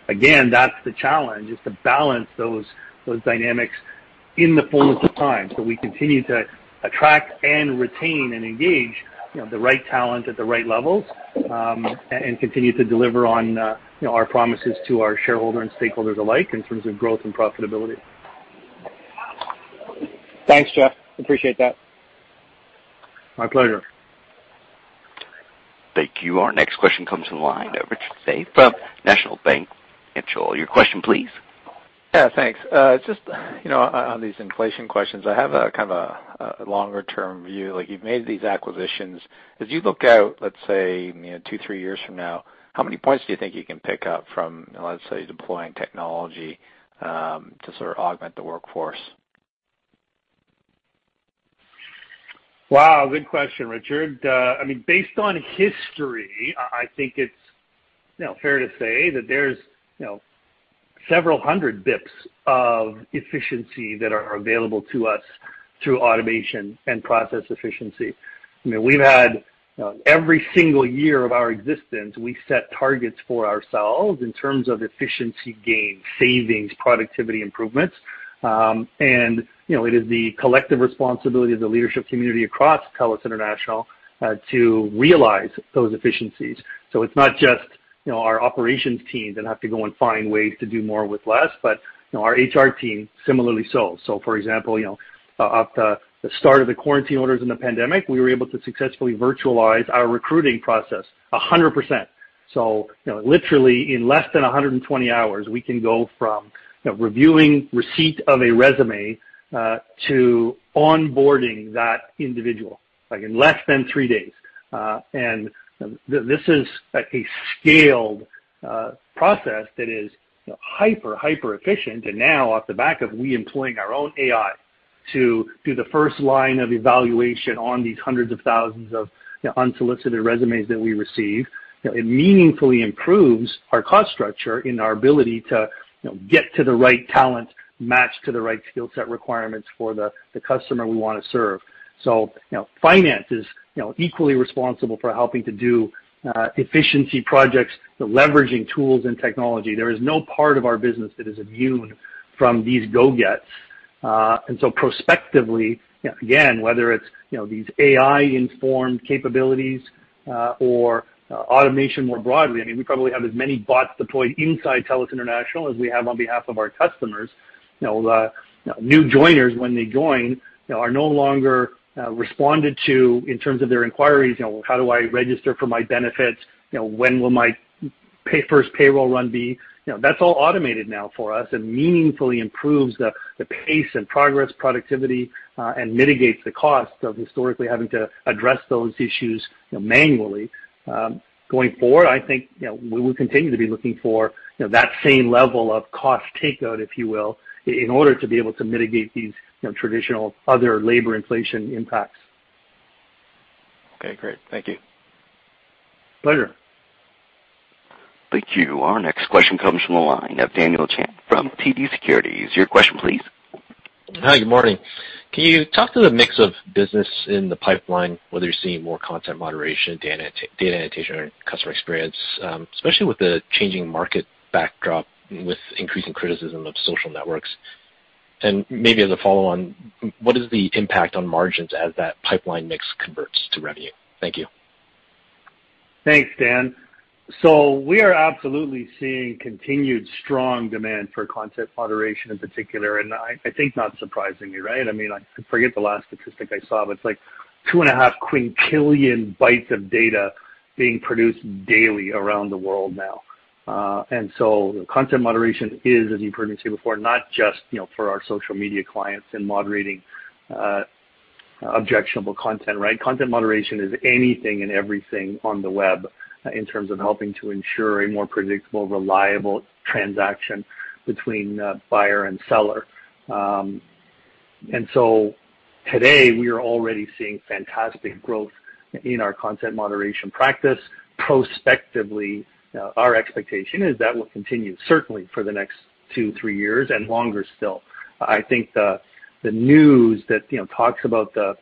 Again, that's the challenge, is to balance those dynamics in the fullness of time, so we continue to attract and retain and engage you know, the right talent at the right levels, and continue to deliver on you know, our promises to our shareholder and stakeholders alike in terms of growth and profitability. Thanks, Jeff. Appreciate that. My pleasure. Thank you. Our next question comes from the line of Richard Tse from National Bank Financial. Your question please. Yeah, thanks. Just, you know, on these inflation questions, I have a kind of longer-term view. Like, you've made these acquisitions. As you look out, let's say, you know, two, three years from now, how many points do you think you can pick up from, let's say, deploying technology to sort of augment the workforce? Wow, good question, Richard. I mean, based on history, I think it's you know fair to say that there's you know several hundred basis points of efficiency that are available to us through automation and process efficiency. You know, we've had every single year of our existence, we set targets for ourselves in terms of efficiency gains, savings, productivity improvements. It is the collective responsibility of the leadership community across TELUS International to realize those efficiencies. It's not just you know our operations teams that have to go and find ways to do more with less, but you know our HR team similarly so. For example, you know, off the start of the quarantine orders in the pandemic, we were able to successfully virtualize our recruiting process 100%. You know, literally in less than 120 hours, we can go from, you know, reviewing receipt of a resume to onboarding that individual, like in less than 3 days. This is a scaled process that is hyper efficient. Now off the back of we employing our own AI to do the first line of evaluation on these hundreds of thousands of unsolicited resumes that we receive, you know, it meaningfully improves our cost structure in our ability to, you know, get to the right talent matched to the right skill set requirements for the customer we wanna serve. You know, finance is equally responsible for helping to do efficiency projects, leveraging tools and technology. There is no part of our business that is immune from these go-gets. Prospectively, again, whether it's, you know, these AI-informed capabilities, or automation more broadly, I mean, we probably have as many bots deployed inside TELUS International as we have on behalf of our customers. You know, new joiners when they join, you know, are no longer responded to in terms of their inquiries, you know, how do I register for my benefits? You know, when will my pay-first payroll run be? You know, that's all automated now for us and meaningfully improves the pace and progress, productivity, and mitigates the cost of historically having to address those issues, you know, manually. Going forward, I think, you know, we will continue to be looking for, you know, that same level of cost takeout, if you will, in order to be able to mitigate these, you know, traditional other labor inflation impacts. Okay, great. Thank you. Pleasure. Thank you. Our next question comes from the line of Daniel Chan from TD Securities. Your question please. Hi, good morning. Can you talk to the mix of business in the pipeline, whether you're seeing more content moderation, data annotation or customer experience, especially with the changing market backdrop with increasing criticism of social networks? Maybe as a follow-on, what is the impact on margins as that pipeline mix converts to revenue? Thank you. Thanks, Dan. We are absolutely seeing continued strong demand for content moderation in particular, and I think not surprisingly, right? I mean, I forget the last statistic I saw, but it's like 2.5 quintillion bytes of data being produced daily around the world now. Content moderation is, as you've heard me say before, not just, you know, for our social media clients in moderating objectionable content, right? Content moderation is anything and everything on the web in terms of helping to ensure a more predictable, reliable transaction between buyer and seller. Today, we are already seeing fantastic growth in our content moderation practice. Prospectively, our expectation is that will continue certainly for the next two, three years and longer still. I think the news that, you know, talks about the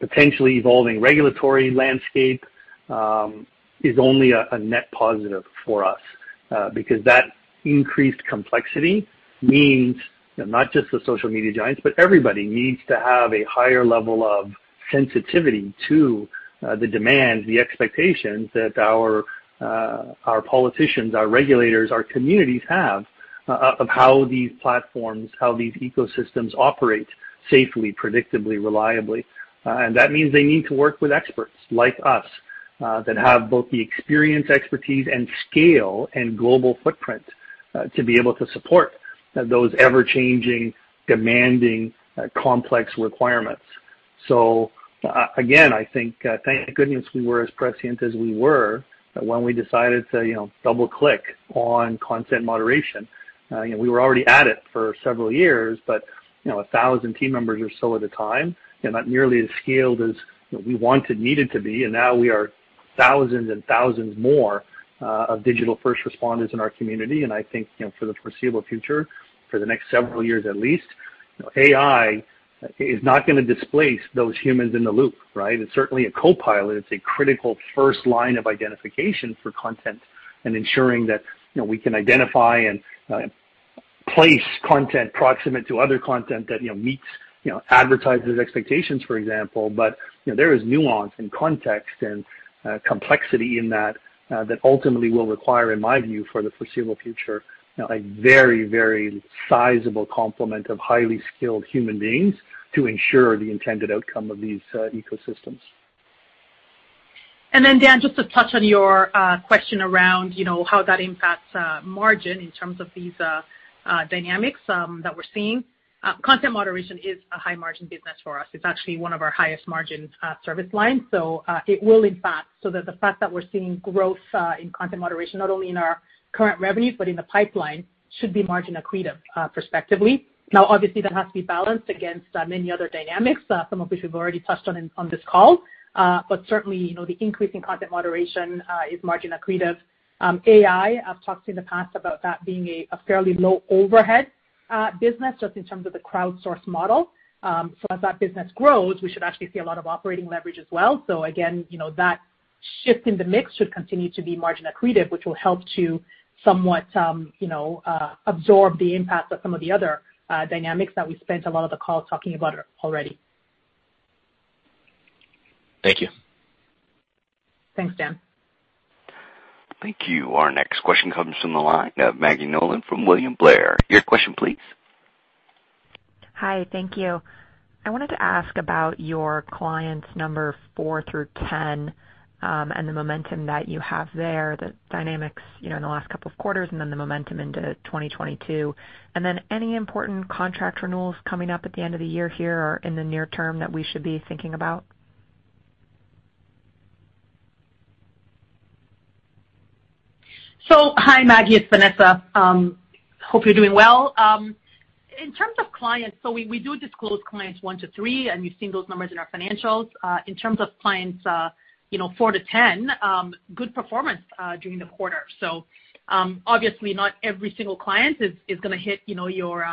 potentially evolving regulatory landscape is only a net positive for us because that increased complexity means not just the social media giants, but everybody needs to have a higher level of sensitivity to the demands, the expectations that our politicians, our regulators, our communities have of how these platforms, how these ecosystems operate safely, predictably, reliably. That means they need to work with experts like us that have both the experience, expertise and scale and global footprint to be able to support those ever-changing, demanding complex requirements. Again, I think thank goodness we were as prescient as we were when we decided to, you know, double-click on content moderation. You know, we were already at it for several years, but, you know, 1,000 team members or so at a time, you know, not nearly as scaled as, you know, we wanted, needed to be. Now we are thousands and thousands more of digital first responders in our community. I think, you know, for the foreseeable future, for the next several years at least, you know, AI is not gonna displace those humans in the loop, right? It's certainly a copilot. It's a critical first line of identification for content and ensuring that, you know, we can identify and place content proximate to other content that, you know, meets, you know, advertisers' expectations, for example. You know, there is nuance and context and, complexity in that ultimately will require, in my view, for the foreseeable future, you know, a very, very sizable complement of highly skilled human beings to ensure the intended outcome of these, ecosystems. Dan, just to touch on your question around, you know, how that impacts margin in terms of these dynamics that we're seeing. Content moderation is a high margin business for us. It's actually one of our highest margin service lines. The fact that we're seeing growth in content moderation, not only in our current revenues, but in the pipeline, should be margin accretive prospectively. Now obviously that has to be balanced against many other dynamics, some of which we've already touched on on this call. Certainly, you know, the increase in content moderation is margin accretive. AI, I've talked in the past about that being a fairly low overhead business just in terms of the crowdsource model. As that business grows, we should actually see a lot of operating leverage as well. Again, you know, that shift in the mix should continue to be margin accretive, which will help to somewhat, you know, absorb the impact of some of the other dynamics that we spent a lot of the call talking about already. Thank you. Thanks, Dan. Thank you. Our next question comes from the line of Maggie Nolan from William Blair. Your question please. Hi. Thank you. I wanted to ask about your clients number 4-10, and the momentum that you have there, the dynamics, you know, in the last couple of quarters and then the momentum into 2022. Any important contract renewals coming up at the end of the year here or in the near term that we should be thinking about? Hi, Maggie, it's Vanessa. Hope you're doing well. In terms of clients, we do disclose clients 1-3, and you've seen those numbers in our financials. In terms of clients, you know, 4-10, good performance during the quarter. Obviously not every single client is gonna hit, you know, your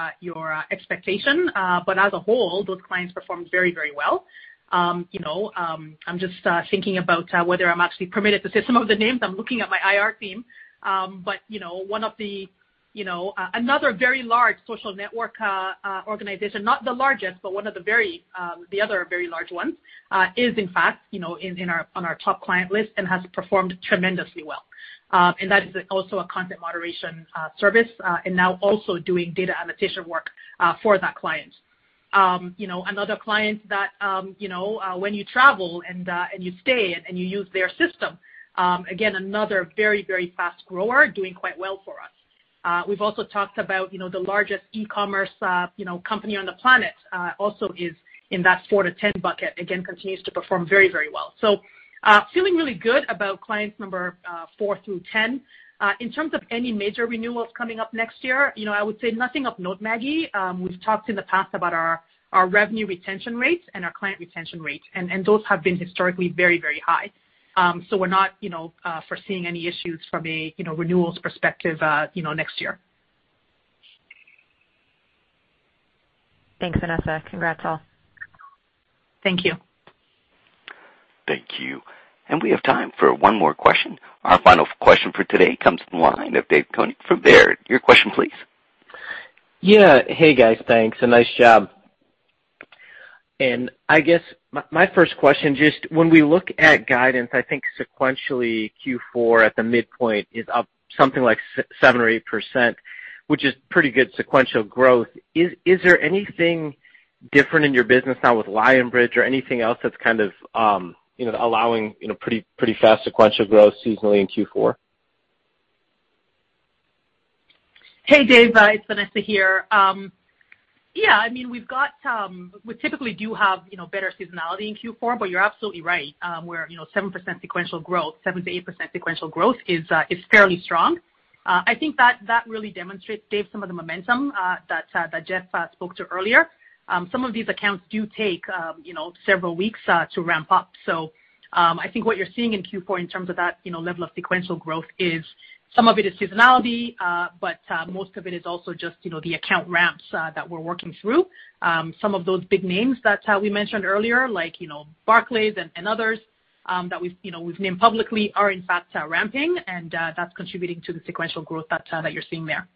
expectation. But as a whole, those clients performed very, very well. You know, I'm just thinking about whether I'm actually permitted to say some of the names. I'm looking at my IR team. You know, one of the, you know, another very large social network organization, not the largest, but one of the very, the other very large ones, is in fact, you know, in our, on our top client list and has performed tremendously well. That is also a content moderation service, and now also doing data annotation work for that client. You know, another client that, you know, when you travel and you stay and you use their system, again, another very fast grower doing quite well for us. We've also talked about, you know, the largest e-commerce, you know, company on the planet, also is in that 4-10 bucket, again, continues to perform very well. Feeling really good about clients number 4-10. In terms of any major renewals coming up next year, you know, I would say nothing of note, Maggie. We've talked in the past about our revenue retention rates and our client retention rates, and those have been historically very, very high. We're not, you know, foreseeing any issues from a renewals perspective, you know, next year. Thanks, Vanessa. Congrats, all. Thank you. Thank you. We have time for one more question. Our final question for today comes from the line of Dave Koning from Baird. Your question please. Yeah. Hey, guys, thanks. Nice job. I guess my first question, just when we look at guidance, I think sequentially Q4 at the midpoint is up something like 7% or 8%, which is pretty good sequential growth. Is there anything different in your business now with Lionbridge or anything else that's kind of you know allowing you know pretty fast sequential growth seasonally in Q4? Hey, Dave, it's Vanessa here. Yeah, I mean, we've got, we typically do have, you know, better seasonality in Q4, but you're absolutely right. We're, you know, 7% sequential growth. 7%-8% sequential growth is fairly strong. I think that really demonstrates, Dave, some of the momentum that Jeff spoke to earlier. Some of these accounts do take, you know, several weeks to ramp up. I think what you're seeing in Q4 in terms of that, you know, level of sequential growth is some of it seasonality, but most of it is also just, you know, the account ramps that we're working through. Some of those big names that we mentioned earlier, like, you know, Barclays and others that we've, you know, named publicly are in fact ramping, and that's contributing to the sequential growth that you're seeing there.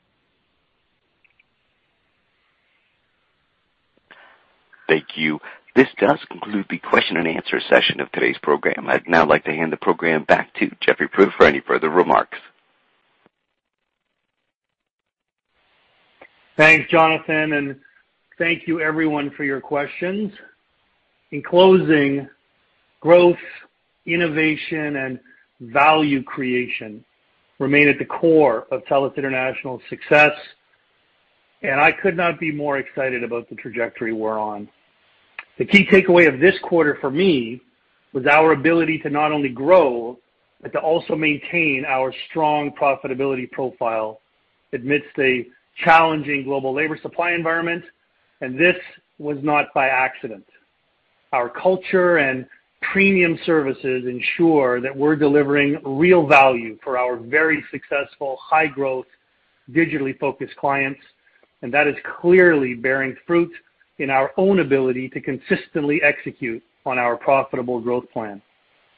Thank you. This does conclude the question-and-answer session of today's program. I'd now like to hand the program back to Jeff Puritt for any further remarks. Thanks, Jonathan, and thank you everyone for your questions. In closing, growth, innovation, and value creation remain at the core of TELUS International's success, and I could not be more excited about the trajectory we're on. The key takeaway of this quarter for me was our ability to not only grow, but to also maintain our strong profitability profile amidst a challenging global labor supply environment, and this was not by accident. Our culture and premium services ensure that we're delivering real value for our very successful high-growth, digitally-focused clients, and that is clearly bearing fruit in our own ability to consistently execute on our profitable growth plan.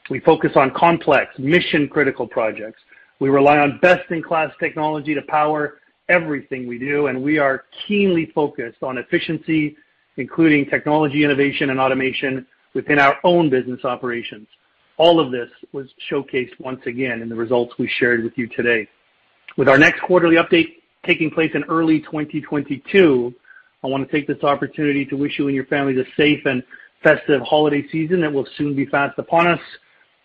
We focus on complex mission-critical projects. We rely on best-in-class technology to power everything we do, and we are keenly focused on efficiency, including technology innovation and automation within our own business operations. All of this was showcased once again in the results we shared with you today. With our next quarterly update taking place in early 2022, I wanna take this opportunity to wish you and your families a safe and festive holiday season that will soon be fast upon us.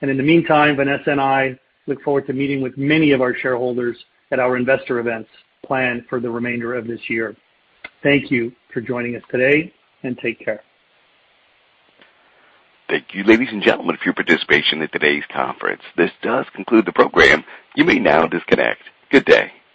In the meantime, Vanessa and I look forward to meeting with many of our shareholders at our investor events planned for the remainder of this year. Thank you for joining us today, and take care. Thank you, ladies and gentlemen, for your participation in today's conference. This does conclude the program. You may now disconnect. Good day.